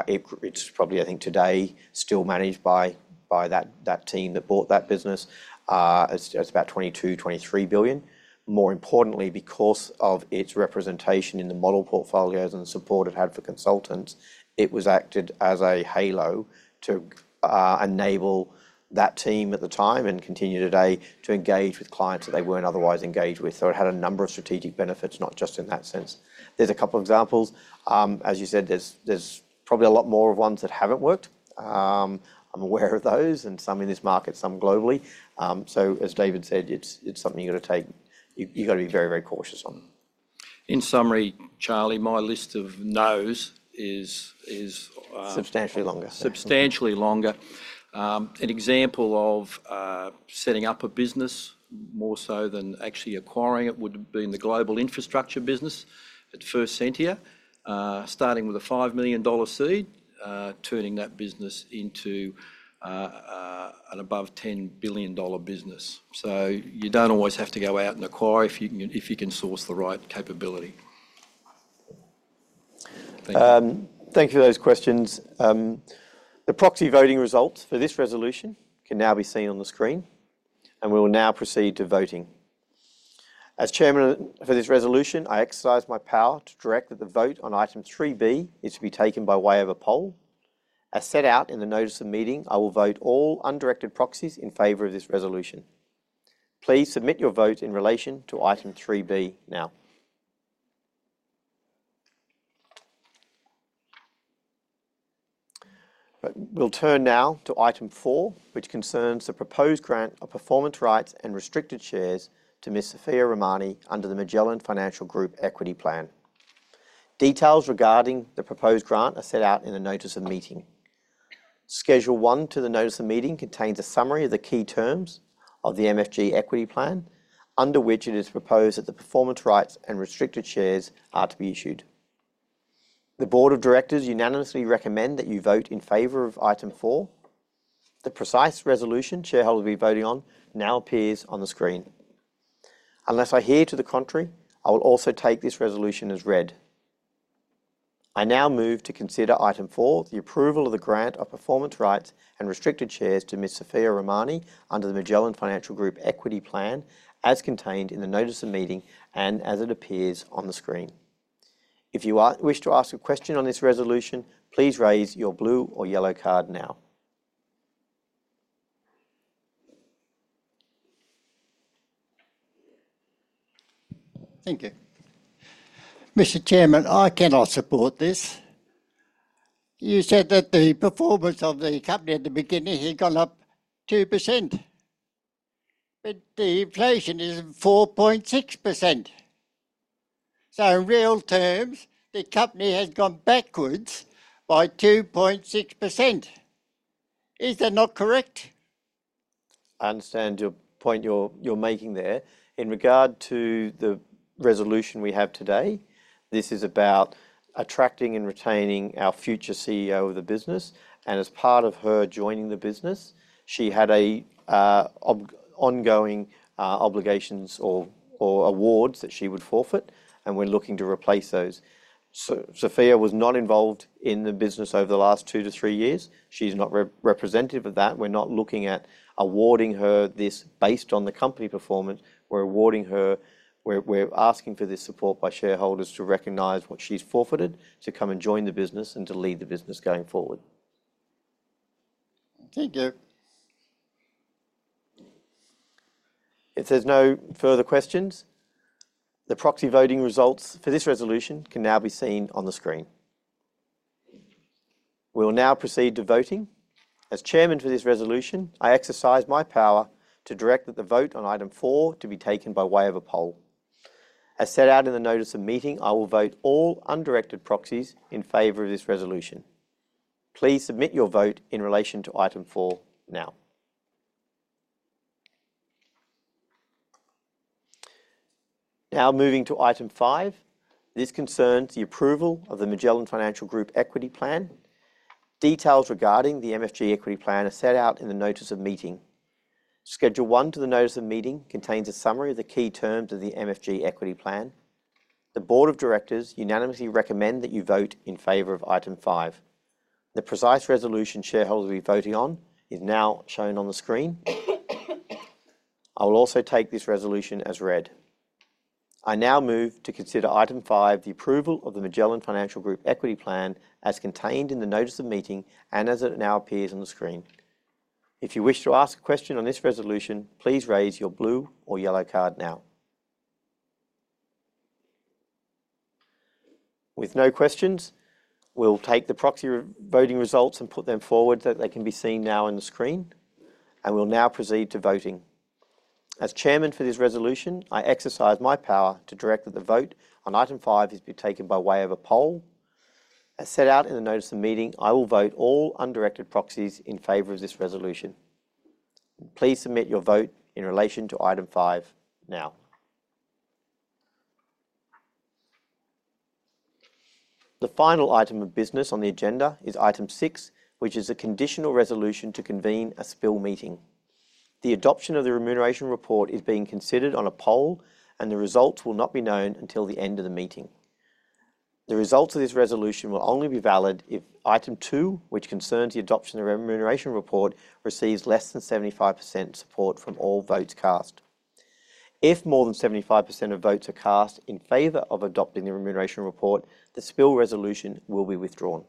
It's probably, I think, today, still managed by that team that bought that business. It's about 22-23 billion. More importantly, because of its representation in the model portfolios and the support it had for consultants, it acted as a halo to enable that team at the time, and continue today, to engage with clients that they weren't otherwise engaged with, so it had a number of strategic benefits, not just in that sense. There's a couple examples. As you said, there's probably a lot more of ones that haven't worked. I'm aware of those, and some in this market, some globally. So as David said, it's something you've got to be very, very cautious on. In summary, Charlie, my list of no's is. Substantially longer. Substantially longer. An example of setting up a business more so than actually acquiring it would have been the global infrastructure business at First Sentier. Starting with a 5 million dollar seed, turning that business into an above 10 billion dollar business. So you don't always have to go out and acquire if you can source the right capability. Thank you. Thank you for those questions. The proxy voting results for this resolution can now be seen on the screen, and we will now proceed to voting. As chairman for this resolution, I exercise my power to direct that the vote on Item 3B is to be taken by way of a poll. As set out in the Notice of Meeting, I will vote all undirected proxies in favor of this resolution. Please submit your vote in relation to Item 3B now. We'll turn now to Item 4, which concerns the proposed grant of performance rights and restricted shares to Ms. Sophia Rahmani, under the Magellan Financial Group Equity Plan. Details regarding the proposed grant are set out in the Notice of Meeting. Schedule one to the Notice of Meeting contains a summary of the key terms of the MFG Equity Plan, under which it is proposed that the performance rights and restricted shares are to be issued. The Board of directors unanimously recommend that you vote in favor of Item 4. The precise resolution shareholders will be voting on now appears on the screen. Unless I hear to the contrary, I will also take this resolution as read. I now move to consider Item 4, the approval of the grant of performance rights and restricted shares to Ms. Sophia Rahmani, under the Magellan Financial Group Equity Plan, as contained in the Notice of Meeting, and as it appears on the screen. If you wish to ask a question on this resolution, please raise your blue or yellow card now. Thank you. Mr. Chairman, I cannot support this. You said that the performance of the company at the beginning had gone up 2%, but the inflation is 4.6%. So in real terms, the company has gone backwards by 2.6%. Is that not correct? I understand your point you're making there. In regard to the resolution we have today, this is about attracting and retaining our future CEO of the business, and as part of her joining the business, she had ongoing obligations or awards that she would forfeit, and we're looking to replace those, so Sophia was not involved in the business over the last two to three years. She's not representative of that. We're not looking at awarding her this based on the company performance. We're awarding her. We're asking for this support by shareholders to recognize what she's forfeited to come and join the business, and to lead the business going forward. Thank you.... If there's no further questions, the proxy voting results for this resolution can now be seen on the screen. We will now proceed to voting. As chairman for this resolution, I exercise my power to direct that the vote on Item 4 to be taken by way of a poll. As set out in the Notice of Meeting, I will vote all undirected proxies in favor of this resolution. Please submit your vote in relation to Item 4 now. Now moving to Item 5, this concerns the approval of the Magellan Financial Group Equity Plan. Details regarding the MFG Equity Plan are set out in the Notice of Meeting. Schedule one to the Notice of Meeting contains a summary of the key terms of the MFG Equity Plan. The Board of Directors unanimously recommends that you vote in favor of Item 5. The precise resolution shareholders will be voting on is now shown on the screen. I will also take this resolution as read. I now move to consider Item 5, the approval of the Magellan Financial Group Equity Plan, as contained in the Notice of Meeting, and as it now appears on the screen. If you wish to ask a question on this resolution, please raise your blue or yellow card now. With no questions, we'll take the proxy voting results and put them forward, so they can be seen now on the screen, and we'll now proceed to voting. As chairman for this resolution, I exercise my power to direct that the vote on Item 5 is to be taken by way of a poll. As set out in the Notice of Meeting, I will vote all undirected proxies in favor of this resolution. Please submit your vote in relation to Item 5 now. The final item of business on the agenda is item six, which is a conditional resolution to convene a spill meeting. The adoption of the Remuneration Report is being considered on a poll, and the results will not be known until the end of the meeting. The results of this resolution will only be valid if Item 2, which concerns the adoption of Remuneration Report, receives less than 75% support from all votes cast. If more than 75% of votes are cast in favor of adopting the Remuneration Report, the Spill Resolution will be withdrawn.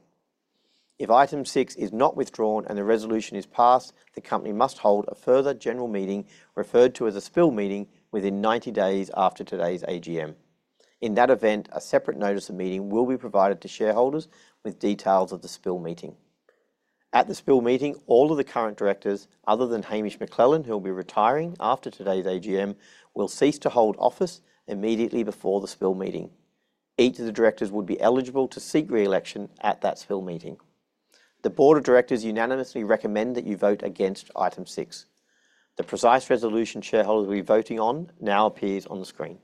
If item six is not withdrawn and the resolution is passed, the company must hold a further general meeting, referred to as a spill meeting, within ninety days after today's AGM. In that event, a separate Notice of Meeting will be provided to shareholders with details of the spill meeting. At the spill meeting, all of the current directors, other than Hamish McLennan, who will be retiring after today's AGM, will cease to hold office immediately before the spill meeting. Each of the directors would be eligible to seek re-election at that spill meeting. The Board of Directors unanimously recommend that you vote against item six. The precise resolution shareholders will be voting on now appears on the screen.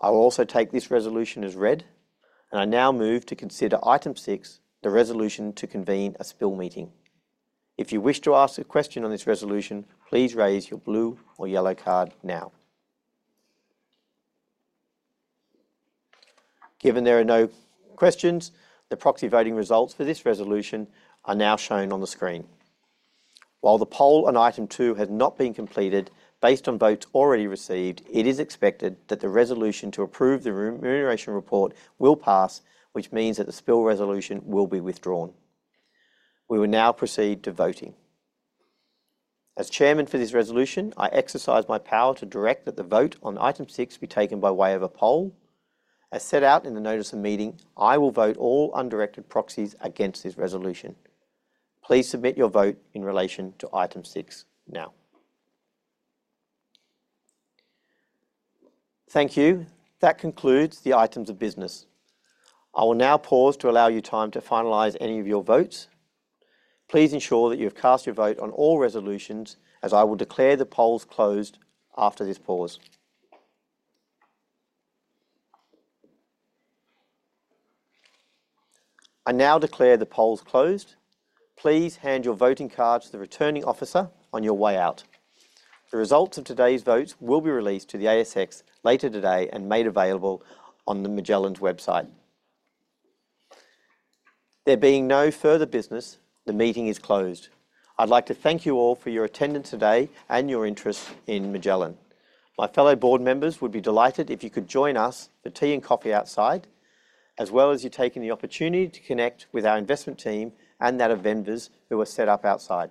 I will also take this resolution as read, and I now move to consider item six, the resolution to convene a spill meeting. If you wish to ask a question on this resolution, please raise your blue or yellow card now. Given there are no questions, the proxy voting results for this resolution are now shown on the screen. While the poll on Item 2 has not been completed, based on votes already received, it is expected that the resolution to approve the Remuneration Report will pass, which means that the Spill Resolution will be withdrawn. We will now proceed to voting. As Chairman for this resolution, I exercise my power to direct that the vote on Item 6 be taken by way of a poll. As set out in the Notice of Meeting, I will vote all undirected proxies against this resolution. Please submit your vote in relation to Item 6 now. Thank you. That concludes the items of business. I will now pause to allow you time to finalize your votes. Please ensure that you have cast your vote on all resolutions, as I will declare the polls closed after this pause. I now declare the polls closed. Please hand your voting card to the Returning Officer on your way out. The results of today's votes will be released to the ASX later today and made available on the Magellan's website. There being no further business, the meeting is closed. I'd like to thank you all for your attendance today and your interest in Magellan. My fellow Board members would be delighted if you could join us for tea and coffee outside, as well as you taking the opportunity to connect with our investment team and that of Vinva who are set up outside.